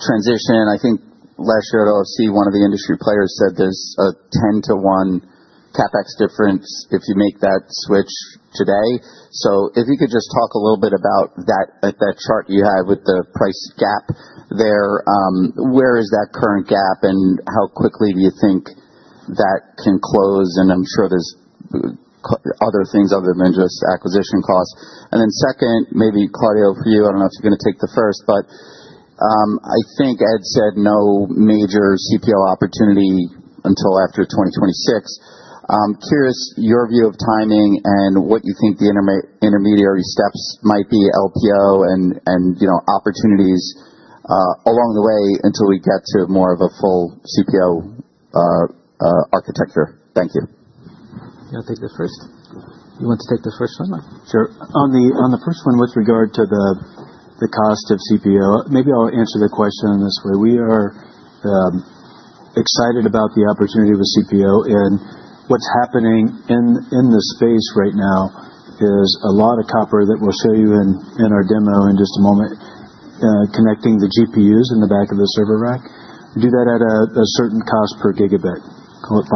transition. I think last year, OFC, one of the industry players said there's a 10 to 1 CapEx difference if you make that switch today. If you could just talk a little bit about that chart you have with the price gap there. Where is that current gap and how quickly do you think that can close? I'm sure there's other things other than just acquisition costs. Second, maybe Claudio, for you, I don't know if you're going to take the first, but I think Ed said no major CPO opportunity until after 2026. Curious your view of timing and what you think the intermediary steps might be, LPO and opportunities along the way until we get to more of a full CPO architecture. Thank you. I'll take the first. You want to take the first one? Sure. On the first one with regard to the cost of CPO, maybe I'll answer the question this way. We are excited about the opportunity with CPO, and what's happening in the space right now is a lot of copper that we'll show you in our demo in just a moment, connecting the GPUs in the back of the server rack. We do that at a certain cost per gigabit, call it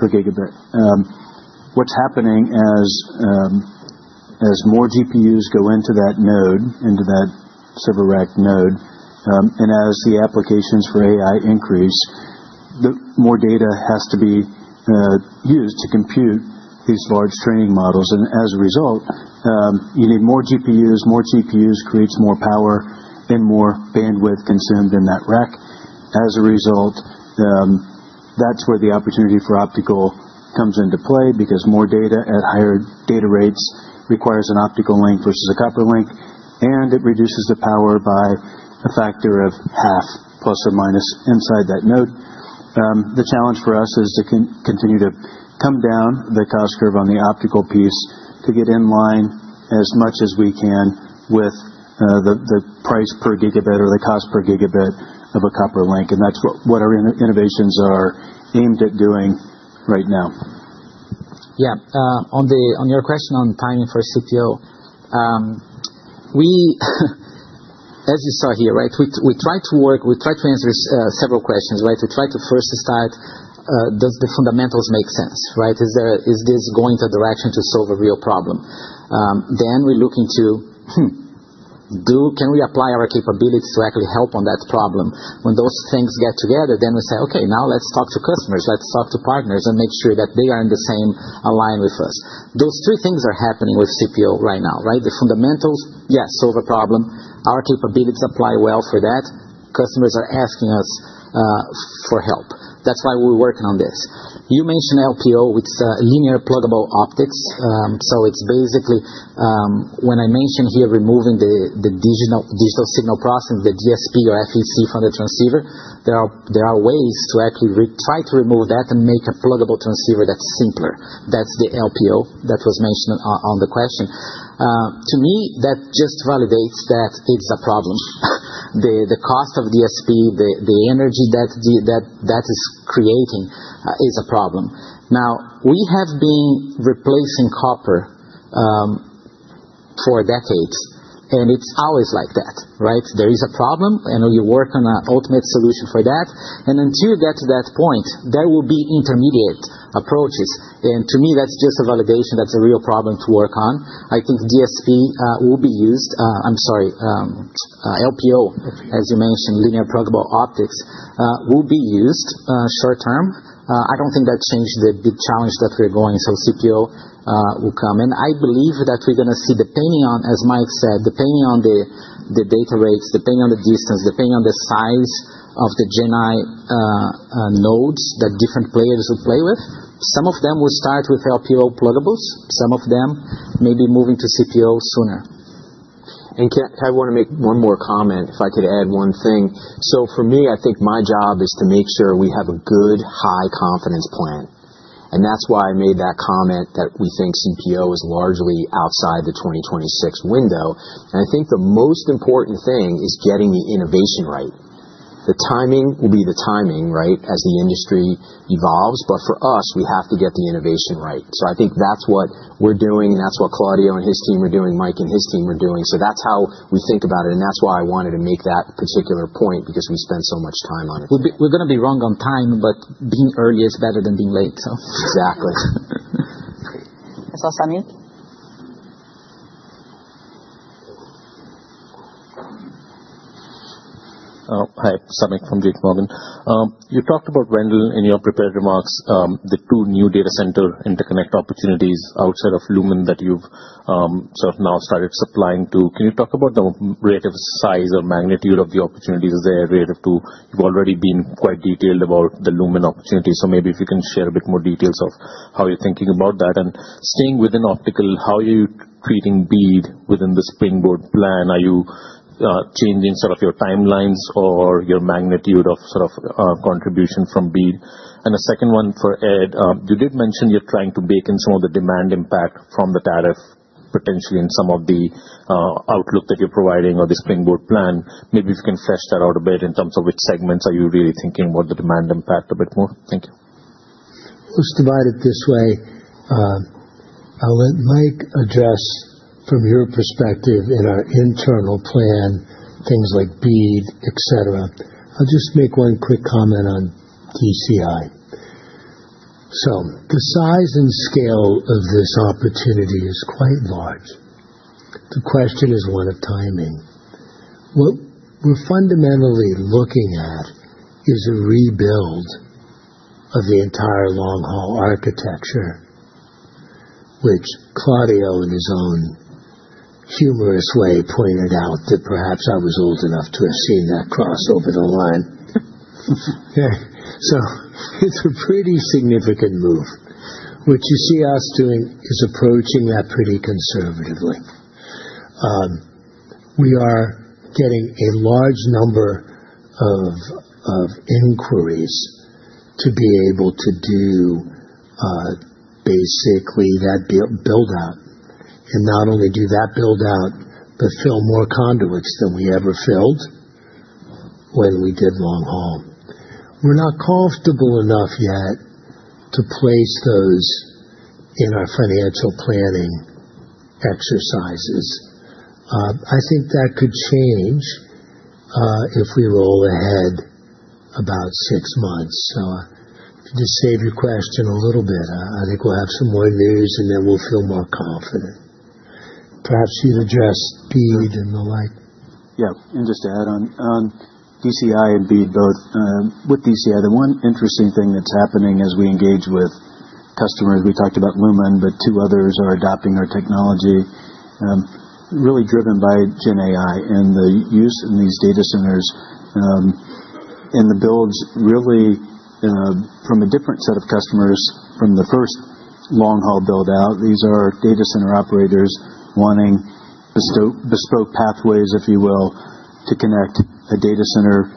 $0.05 per gigabit. What's happening as more GPUs go into that node, into that server rack node, and as the applications for AI increase, more data has to be used to compute these large training models. As a result, you need more GPUs. More GPUs creates more power and more bandwidth consumed in that rack. As a result, that's where the opportunity for optical comes into play because more data at higher data rates requires an optical link versus a copper link, and it reduces the power by a factor of half, plus or minus, inside that node. The challenge for us is to continue to come down the cost curve on the optical piece to get in line as much as we can with the price per gigabit or the cost per gigabit of a copper link. That's what our innovations are aimed at doing right now. Yeah. On your question on timing for CPO, as you saw here, right, we try to work, we try to answer several questions, right? We try to first decide, does the fundamentals make sense? Right? Is this going the direction to solve a real problem? We look into can we apply our capabilities to actually help on that problem? When those things get together, we say, okay, now let's talk to customers. Let's talk to partners and make sure that they are in the same align with us. Those three things are happening with CPO right now, right? The fundamentals, yes, solve a problem. Our capabilities apply well for that. Customers are asking us for help. That's why we're working on this. You mentioned LPO, which is linear pluggable optics. It's basically when I mentioned here removing the digital signal processing, the DSP or FEC from the transceiver, there are ways to actually try to remove that and make a pluggable transceiver that's simpler. That's the LPO that was mentioned on the question. To me, that just validates that it's a problem. The cost of DSP, the energy that is creating is a problem. Now, we have been replacing copper for decades, and it is always like that, right? There is a problem, and you work on an ultimate solution for that. Until you get to that point, there will be intermediate approaches. To me, that is just a validation that is a real problem to work on. I think DSP will be used. I am sorry, LPO, as you mentioned, linear pluggable optics, will be used short term. I do not think that changed the big challenge that we are going. CPO will come. I believe that we're going to see, depending on, as Mike said, depending on the data rates, depending on the distance, depending on the size of the GenAI nodes that different players will play with, some of them will start with LPO pluggables, some of them may be moving to CPO sooner. I want to make one more comment, if I could add one thing. For me, I think my job is to make sure we have a good high confidence plan. That's why I made that comment that we think CPO is largely outside the 2026 window. I think the most important thing is getting the innovation right. The timing will be the timing, right, as the industry evolves. For us, we have to get the innovation right. I think that's what we're doing, and that's what Claudio and his team are doing, Mike and his team are doing. That's how we think about it. That's why I wanted to make that particular point because we spend so much time on it. We're going to be wrong on time, but being early is better than being late, so. Exactly. That's all, Samik. Hi, Samik from JPMorgan. You talked about Wendell in your prepared remarks, the two new data center interconnect opportunities outside of Lumen that you've sort of now started supplying to. Can you talk about the relative size or magnitude of the opportunities there relative to you've already been quite detailed about the Lumen opportunity? Maybe if you can share a bit more details of how you're thinking about that. Staying within optical, how are you treating BEAD within the Springboard plan? Are you changing sort of your timelines or your magnitude of sort of contribution from BEAD? And a second one for Ed, you did mention you're trying to bake in some of the demand impact from the tariff potentially in some of the outlook that you're providing or the Springboard Plan. Maybe if you can flesh that out a bit in terms of which segments are you really thinking about the demand impact a bit more? Thank you. Let's divide it this way. I'll let Mike address from your perspective in our internal plan, things like BEAD, etc. I'll just make one quick comment on DCI. So the size and scale of this opportunity is quite large. The question is one of timing. What we're fundamentally looking at is a rebuild of the entire long-haul architecture, which Claudio in his own humorous way pointed out that perhaps I was old enough to have seen that cross over the line. It is a pretty significant move. What you see us doing is approaching that pretty conservatively. We are getting a large number of inquiries to be able to do basically that build-out and not only do that build-out, but fill more conduits than we ever filled when we did long-haul. We're not comfortable enough yet to place those in our financial planning exercises. I think that could change if we roll ahead about six months. To save your question a little bit, I think we'll have some more news and then we'll feel more confident. Perhaps you'd address BEAD and the like. Yeah. Just to add on DCI and BEAD both, with DCI, the one interesting thing that's happening as we engage with customers, we talked about Lumen, but two others are adopting our technology, really driven by GenAI and the use in these data centers and the builds really from a different set of customers from the first long-haul build-out. These are data center operators wanting bespoke pathways, if you will, to connect a data center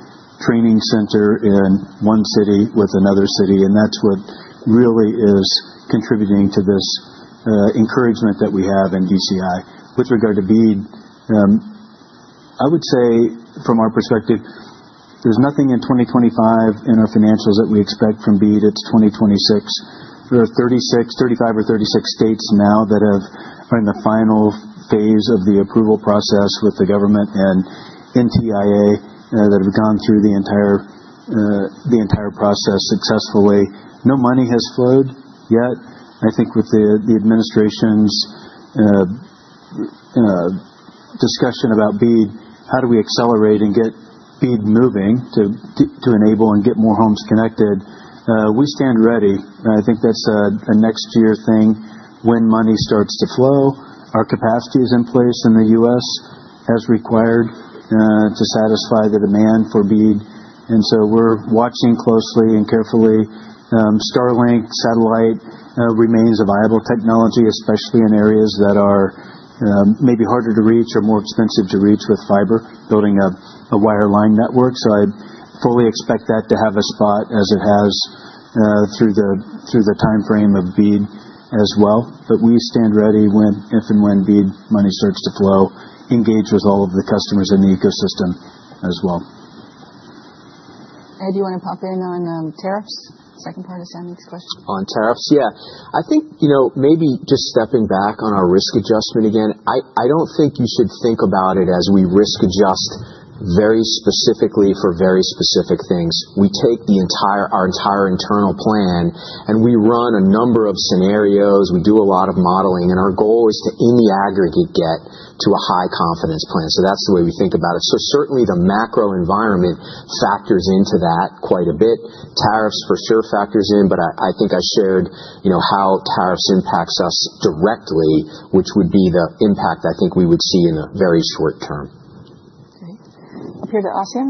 training center in one city with another city. That is what really is contributing to this encouragement that we have in DCI. With regard to BEAD, I would say from our perspective, there's nothing in 2025 in our financials that we expect from BEAD. It's 2026. There are 35 or 36 states now that are in the final phase of the approval process with the government and NTIA that have gone through the entire process successfully. No money has flowed yet. I think with the administration's discussion about BEAD, how do we accelerate and get BEAD moving to enable and get more homes connected? We stand ready. I think that's a next-year thing. When money starts to flow, our capacity is in place in the U.S. as required to satisfy the demand for BEAD. We are watching closely and carefully. Starlink satellite remains a viable technology, especially in areas that are maybe harder to reach or more expensive to reach with fiber, building a wire line network. I fully expect that to have a spot as it has through the timeframe of BEAD as well. We stand ready if and when BEAD money starts to flow, engage with all of the customers in the ecosystem as well. Ed, do you want to pop in on tariffs? Second part of Samik's question. On tariffs, yeah. I think maybe just stepping back on our risk adjustment again, I do not think you should think about it as we risk adjust very specifically for very specific things. We take our entire internal plan and we run a number of scenarios. We do a lot of modeling, and our goal is to, in the aggregate, get to a high confidence plan. That is the way we think about it. Certainly the macro environment factors into that quite a bit. Tariffs for sure factors in, but I think I shared how tariffs impacts us directly, which would be the impact I think we would see in the very short term. Great. Up here to Asiya.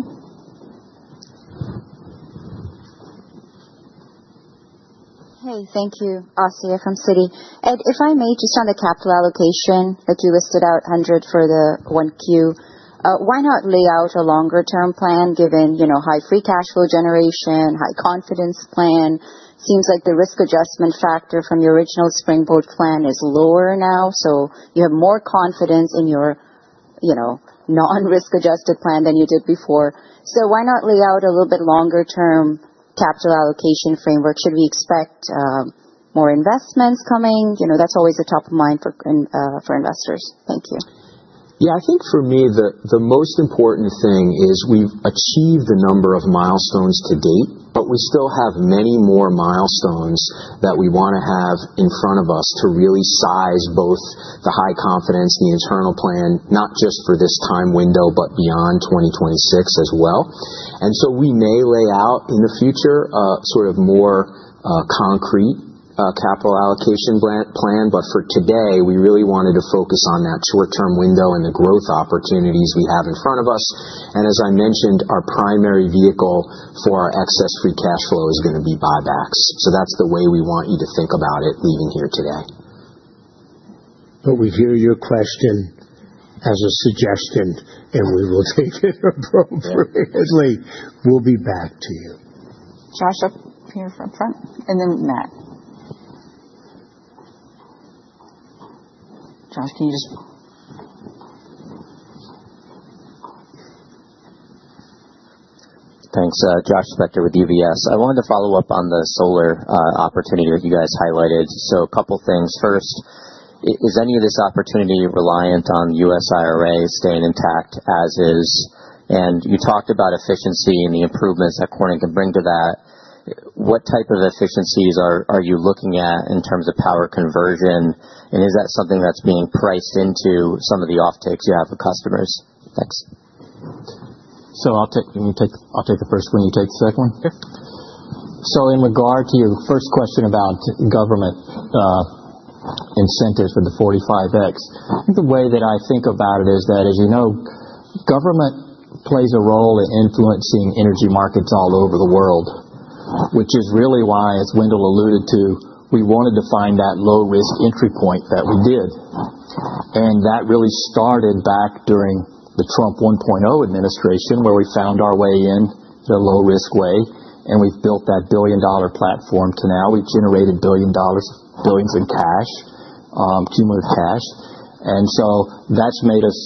Hey, thank you, Asiya from Citi. Ed, if I may, just on the capital allocation, like you listed out $100 million for the 1Q, why not lay out a longer-term plan given high free cash flow generation, high confidence plan? Seems like the risk adjustment factor from your original Springboard Plan is lower now, so you have more confidence in your non-risk adjusted plan than you did before. Why not lay out a little bit longer-term capital allocation framework? Should we expect more investments coming? That's always the top of mind for investors. Thank you. Yeah, I think for me, the most important thing is we've achieved a number of milestones to date, but we still have many more milestones that we want to have in front of us to really size both the high confidence, the internal plan, not just for this time window, but beyond 2026 as well. We may lay out in the future a sort of more concrete capital allocation plan, but for today, we really wanted to focus on that short-term window and the growth opportunities we have in front of us. As I mentioned, our primary vehicle for our excess free cash flow is going to be buybacks. That's the way we want you to think about it leaving here today. We hear your question as a suggestion, and we will take it appropriately. We'll be back to you. Josh up here up front. And then Matt. Josh, can you just— Thanks. Josh Spector with UBS. I wanted to follow up on the solar opportunity that you guys highlighted. A couple of things. First, is any of this opportunity reliant on U.S. IRA staying intact as is? You talked about efficiency and the improvements that Corning can bring to that. What type of efficiencies are you looking at in terms of power conversion? Is that something that's being priced into some of the offtakes you have with customers? Thanks. I'll take the first one. You take the second one. Sure. In regard to your first question about government incentives for the 45X, I think the way that I think about it is that, as you know, government plays a role in influencing energy markets all over the world, which is really why, as Wendell alluded to, we wanted to find that low-risk entry point that we did. That really started back during the Trump 1.0 administration, where we found our way in the low-risk way. We have built that billion-dollar platform to now. We have generated billions in cash, cumulative cash. That has made us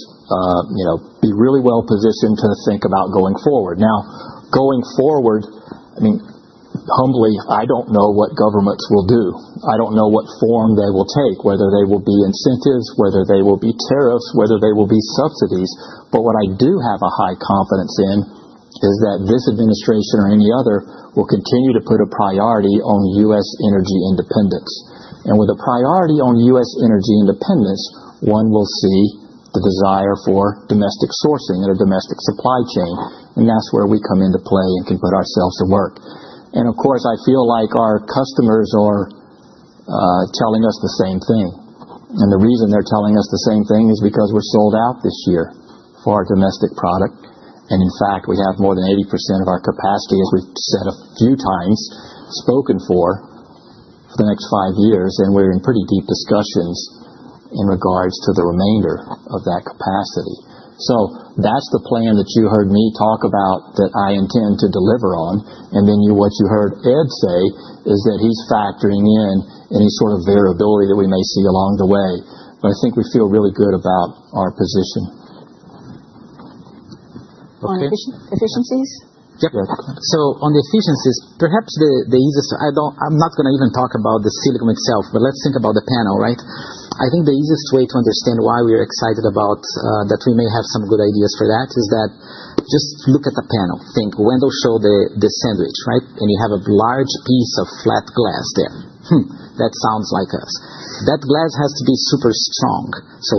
be really well positioned to think about going forward. Now, going forward, I mean, humbly, I do not know what governments will do. I do not know what form they will take, whether they will be incentives, whether they will be tariffs, whether they will be subsidies. What I do have a high confidence in is that this administration or any other will continue to put a priority on U.S. energy independence. With a priority on U.S. energy independence, one will see the desire for domestic sourcing and a domestic supply chain. That is where we come into play and can put ourselves to work. Of course, I feel like our customers are telling us the same thing. The reason they are telling us the same thing is because we are sold out this year for our domestic product. In fact, we have more than 80% of our capacity, as we have said a few times, spoken for for the next five years. We are in pretty deep discussions in regards to the remainder of that capacity. That is the plan that you heard me talk about that I intend to deliver on. What you heard Ed say is that he's factoring in any sort of variability that we may see along the way. I think we feel really good about our position. Efficiencies? Yep. On the efficiencies, perhaps the easiest—I'm not going to even talk about the silicon itself, but let's think about the panel, right? I think the easiest way to understand why we are excited about that we may have some good ideas for that is that just look at the panel. Think Wendell showed the sandwich, right? You have a large piece of flat glass there. That sounds like us. That glass has to be super strong.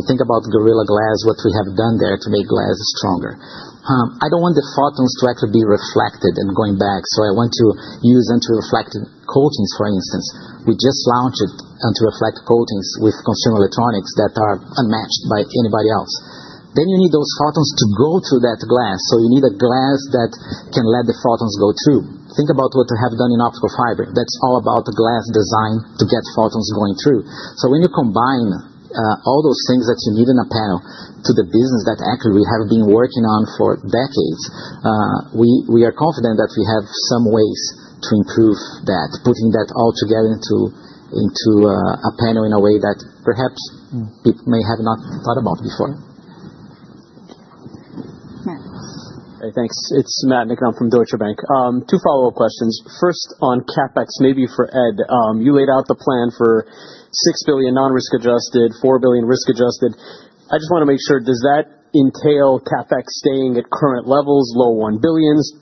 Think about Gorilla Glass, what we have done there to make glass stronger. I do not want the photons to actually be reflected and going back. I want to use anti-reflective coatings, for instance. We just launched anti-reflective coatings with consumer electronics that are unmatched by anybody else. You need those photons to go through that glass. You need a glass that can let the photons go through. Think about what we have done in optical fiber. That is all about the glass design to get photons going through. When you combine all those things that you need in a panel to the business that actually we have been working on for decades, we are confident that we have some ways to improve that, putting that all together into a panel in a way that perhaps people may have not thought about before. Matt. Hey, thanks. It is Matt McDonald from Deutsche Bank. Two follow-up questions. First on CapEx, maybe for Ed. You laid out the plan for $6 billion non-risk adjusted, $4 billion risk adjusted. I just want to make sure, does that entail CapEx staying at current levels, low $1 billions?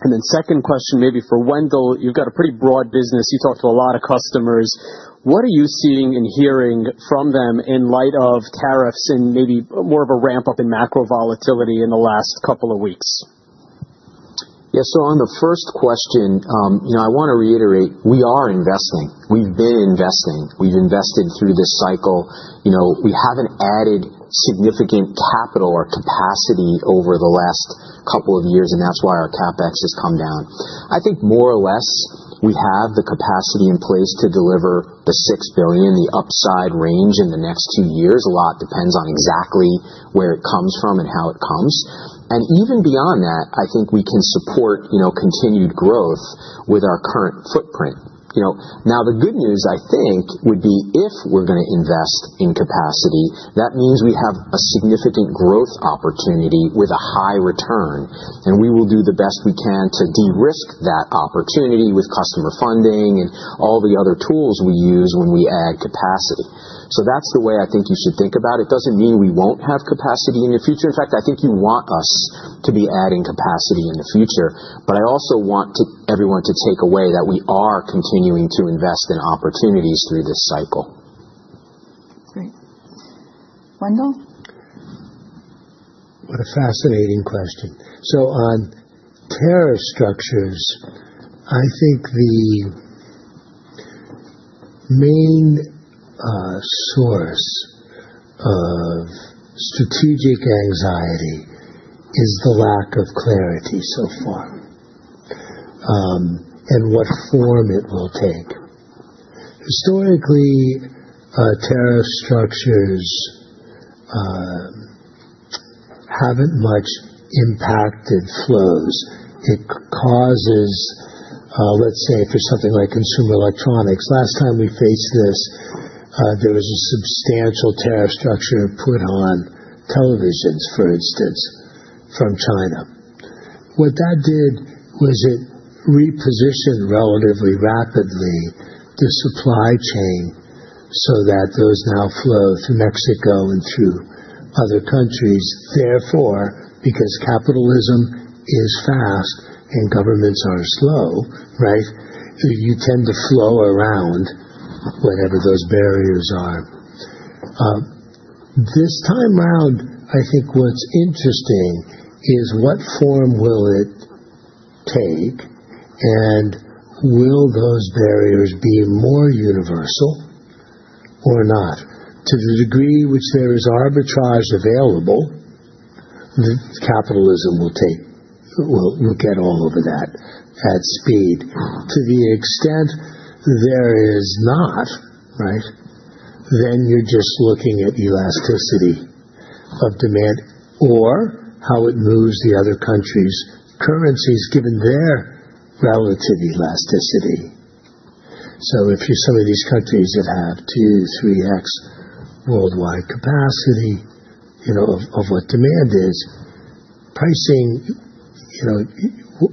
The second question, maybe for Wendell, you've got a pretty broad business. You talked to a lot of customers. What are you seeing and hearing from them in light of tariffs and maybe more of a ramp-up in macro volatility in the last couple of weeks? Yeah. On the first question, I want to reiterate, we are investing. We've been investing. We've invested through this cycle. We haven't added significant capital or capacity over the last couple of years, and that's why our CapEx has come down. I think more or less we have the capacity in place to deliver the $6 billion, the upside range in the next two years. A lot depends on exactly where it comes from and how it comes. Even beyond that, I think we can support continued growth with our current footprint. The good news, I think, would be if we're going to invest in capacity, that means we have a significant growth opportunity with a high return. We will do the best we can to de-risk that opportunity with customer funding and all the other tools we use when we add capacity. That's the way I think you should think about it. It doesn't mean we won't have capacity in the future. In fact, I think you want us to be adding capacity in the future. I also want everyone to take away that we are continuing to invest in opportunities through this cycle. Great. Wendell? What a fascinating question. On tariff structures, I think the main source of strategic anxiety is the lack of clarity so far in what form it will take. Historically, tariff structures have not much impacted flows. It causes, let's say, for something like consumer electronics, last time we faced this, there was a substantial tariff structure put on televisions, for instance, from China. What that did was it repositioned relatively rapidly the supply chain so that those now flow through Mexico and through other countries. Therefore, because capitalism is fast and governments are slow, right, you tend to flow around whatever those barriers are. This time around, I think what is interesting is what form will it take and will those barriers be more universal or not. To the degree which there is arbitrage available, capitalism will get all over that at speed. To the extent there is not, right, then you're just looking at elasticity of demand or how it moves the other countries' currencies given their relative elasticity. If you're some of these countries that have 2, 3x worldwide capacity of what demand is, pricing,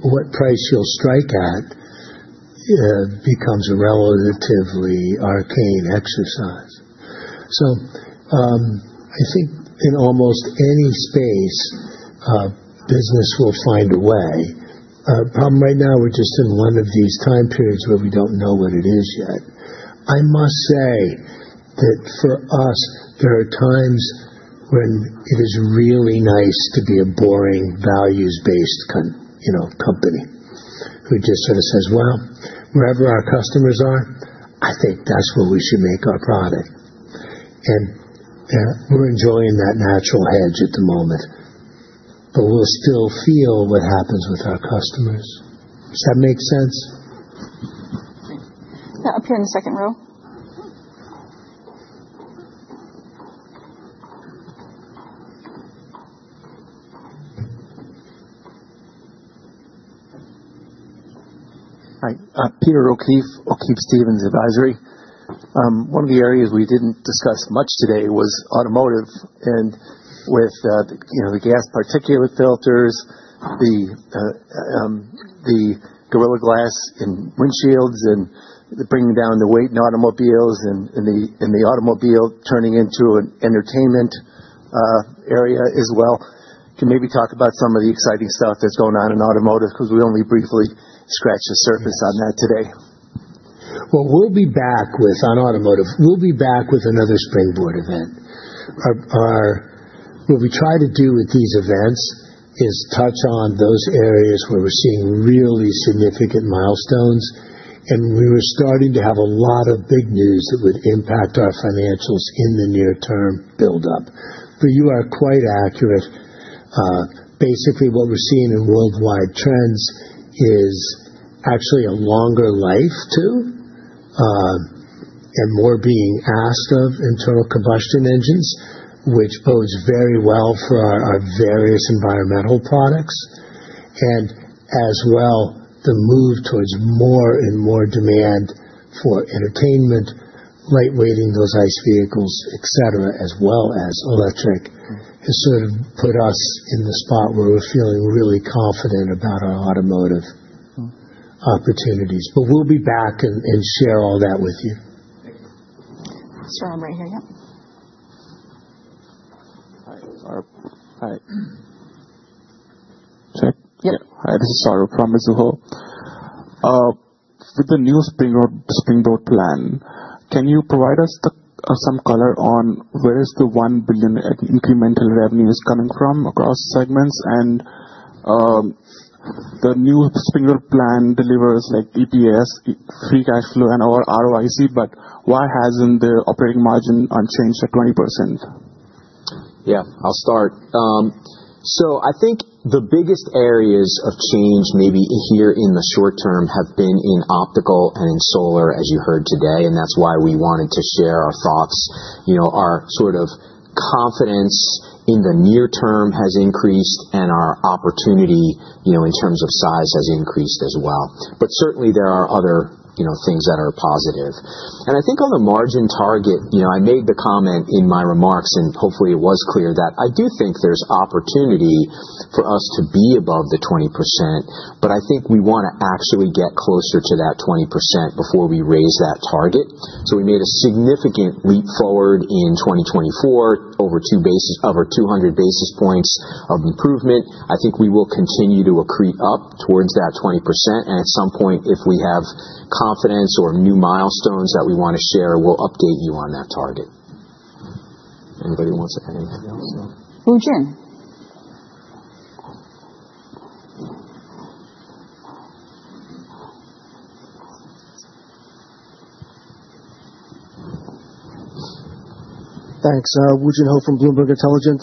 what price you'll strike at becomes a relatively arcane exercise. I think in almost any space, business will find a way. The problem right now, we're just in one of these time periods where we don't know what it is yet. I must say that for us, there are times when it is really nice to be a boring values-based company who just sort of says, "Well, wherever our customers are, I think that's where we should make our product." We're enjoying that natural hedge at the moment. We'll still feel what happens with our customers. Does that make sense? Great. Up here in the second row. Hi. Peter O'Keefe, O'Keefe Stevens Advisory. One of the areas we did not discuss much today was automotive and with the gas particulate filters, the Gorilla Glass in windshields, and bringing down the weight in automobiles and the automobile turning into an entertainment area as well. Can maybe talk about some of the exciting stuff that is going on in automotive because we only briefly scratched the surface on that today. We will be back with on automotive, we will be back with another Springboard event. What we try to do with these events is touch on those areas where we are seeing really significant milestones. We were starting to have a lot of big news that would impact our financials in the near-term buildup. You are quite accurate. Basically, what we're seeing in worldwide trends is actually a longer life too and more being asked of internal combustion engines, which bodes very well for our various environmental products. As well, the move towards more and more demand for entertainment, lightweighting those ICE vehicles, etc., as well as electric has sort of put us in the spot where we're feeling really confident about our automotive opportunities. We'll be back and share all that with you. Thanks. This is [Saru] right here. Yep. Hi. Hi. Sorry. Yep. Hi. This is [Saru] from Mizuho. For the new Springboard Plan, can you provide us some color on where the $1 billion incremental revenue is coming from across segments? The new Springboard Plan delivers EPS, free cash flow, and/or ROIC, but why hasn't the operating margin unchanged at 20%? Yeah. I'll start. I think the biggest areas of change maybe here in the short term have been in optical and in solar, as you heard today. That is why we wanted to share our thoughts. Our sort of confidence in the near-term has increased, and our opportunity in terms of size has increased as well. Certainly, there are other things that are positive. I think on the margin target, I made the comment in my remarks, and hopefully, it was clear that I do think there is opportunity for us to be above the 20%. I think we want to actually get closer to that 20% before we raise that target. We made a significant leap forward in 2024, over 200 basis points of improvement. I think we will continue to accrete up towards that 20%. At some point, if we have confidence or new milestones that we want to share, we'll update you on that target. Anybody wants to add anything else? Woo Jin. Thanks. Woo Jin Ho from Bloomberg Intelligence.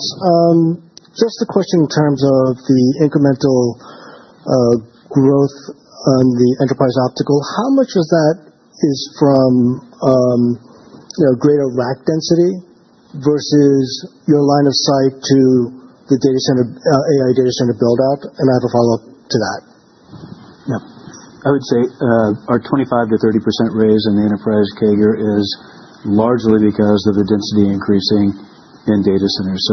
Just a question in terms of the incremental growth on the enterprise optical. How much of that is from greater rack density versus your line of sight to the AI data center buildout? I have a follow-up to that. Yeah. I would say our 25%-30% raise in the enterprise CAGR is largely because of the density increasing in data centers.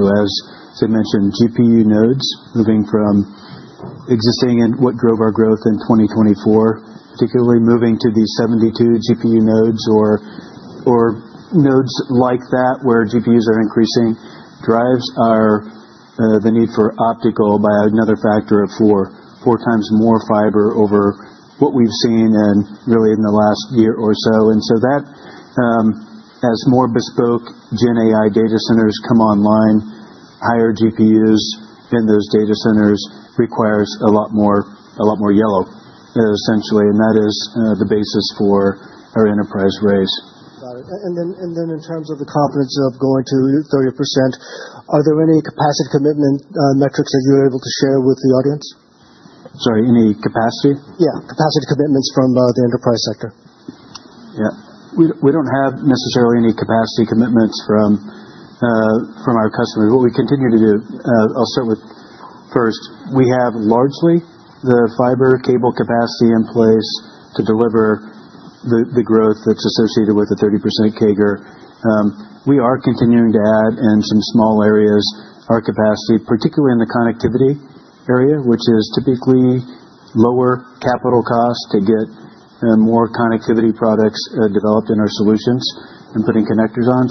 As I mentioned, GPU nodes moving from existing and what drove our growth in 2024, particularly moving to the 72 GPU nodes or nodes like that where GPUs are increasing, drives the need for optical by another factor of four, four times more fiber over what we've seen in really the last year or so. That, as more bespoke GenAI data centers come online, higher GPUs in those data centers requires a lot more yellow, essentially. That is the basis for our enterprise raise. Got it. In terms of the confidence of going to 30%, are there any capacity commitment metrics that you're able to share with the audience? Sorry. Any capacity? Yeah. Capacity commitments from the enterprise sector. Yeah. We don't have necessarily any capacity commitments from our customers. What we continue to do, I'll start with first, we have largely the fiber cable capacity in place to deliver the growth that's associated with the 30% CAGR. We are continuing to add in some small areas our capacity, particularly in the connectivity area, which is typically lower capital cost to get more connectivity products developed in our solutions and putting connectors on.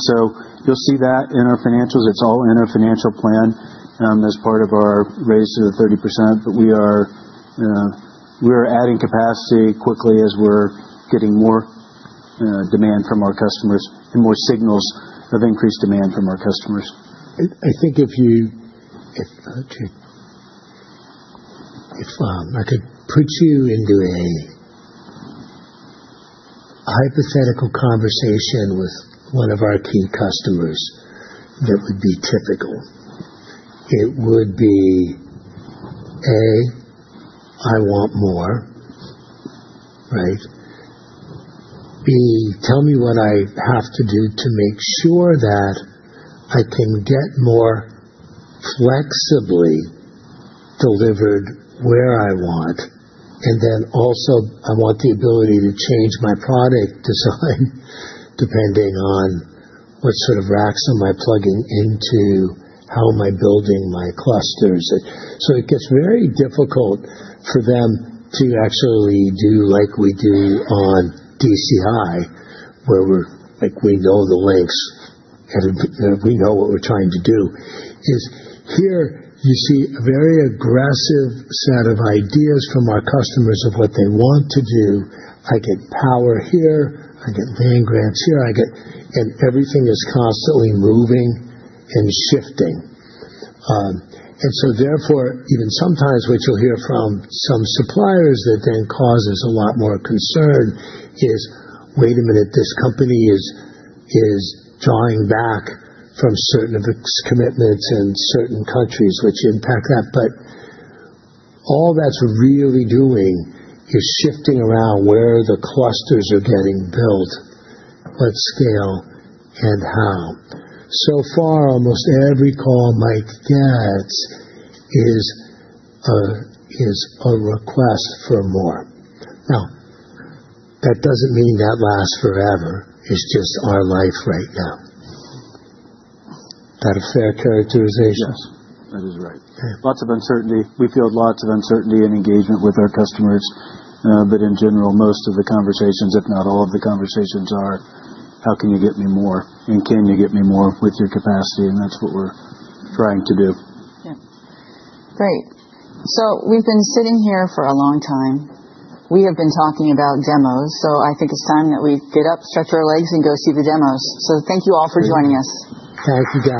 You'll see that in our financials. It's all in our financial plan as part of our raise to the 30%. We are adding capacity quickly as we're getting more demand from our customers and more signals of increased demand from our customers. I think if I could put you into a hypothetical conversation with one of our key customers, that would be typical. It would be, A, I want more, right? B, tell me what I have to do to make sure that I can get more flexibly delivered where I want. I also want the ability to change my product design depending on what sort of racks am I plugging into, how am I building my clusters. It gets very difficult for them to actually do like we do on DCI, where we know the lengths and we know what we're trying to do. Here, you see a very aggressive set of ideas from our customers of what they want to do. I get power here. I get land grants here. Everything is constantly moving and shifting. Therefore, even sometimes what you'll hear from some suppliers that then causes a lot more concern is, "Wait a minute, this company is drawing back from certain of its commitments in certain countries," which impact that. All that's really doing is shifting around where the clusters are getting built, what scale, and how. So far, almost every call Mike gets is a request for more. That does not mean that lasts forever. It is just our life right now. Is that a fair characterization? Yes. That is right. Lots of uncertainty. We field lots of uncertainty and engagement with our customers. In general, most of the conversations, if not all of the conversations, are, "How can you get me more? And can you get me more with your capacity?" That is what we are trying to do. Great. We have been sitting here for a long time. We have been talking about demos. I think it is time that we get up, stretch our legs, and go see the demos. Thank you all for joining us. Thank you.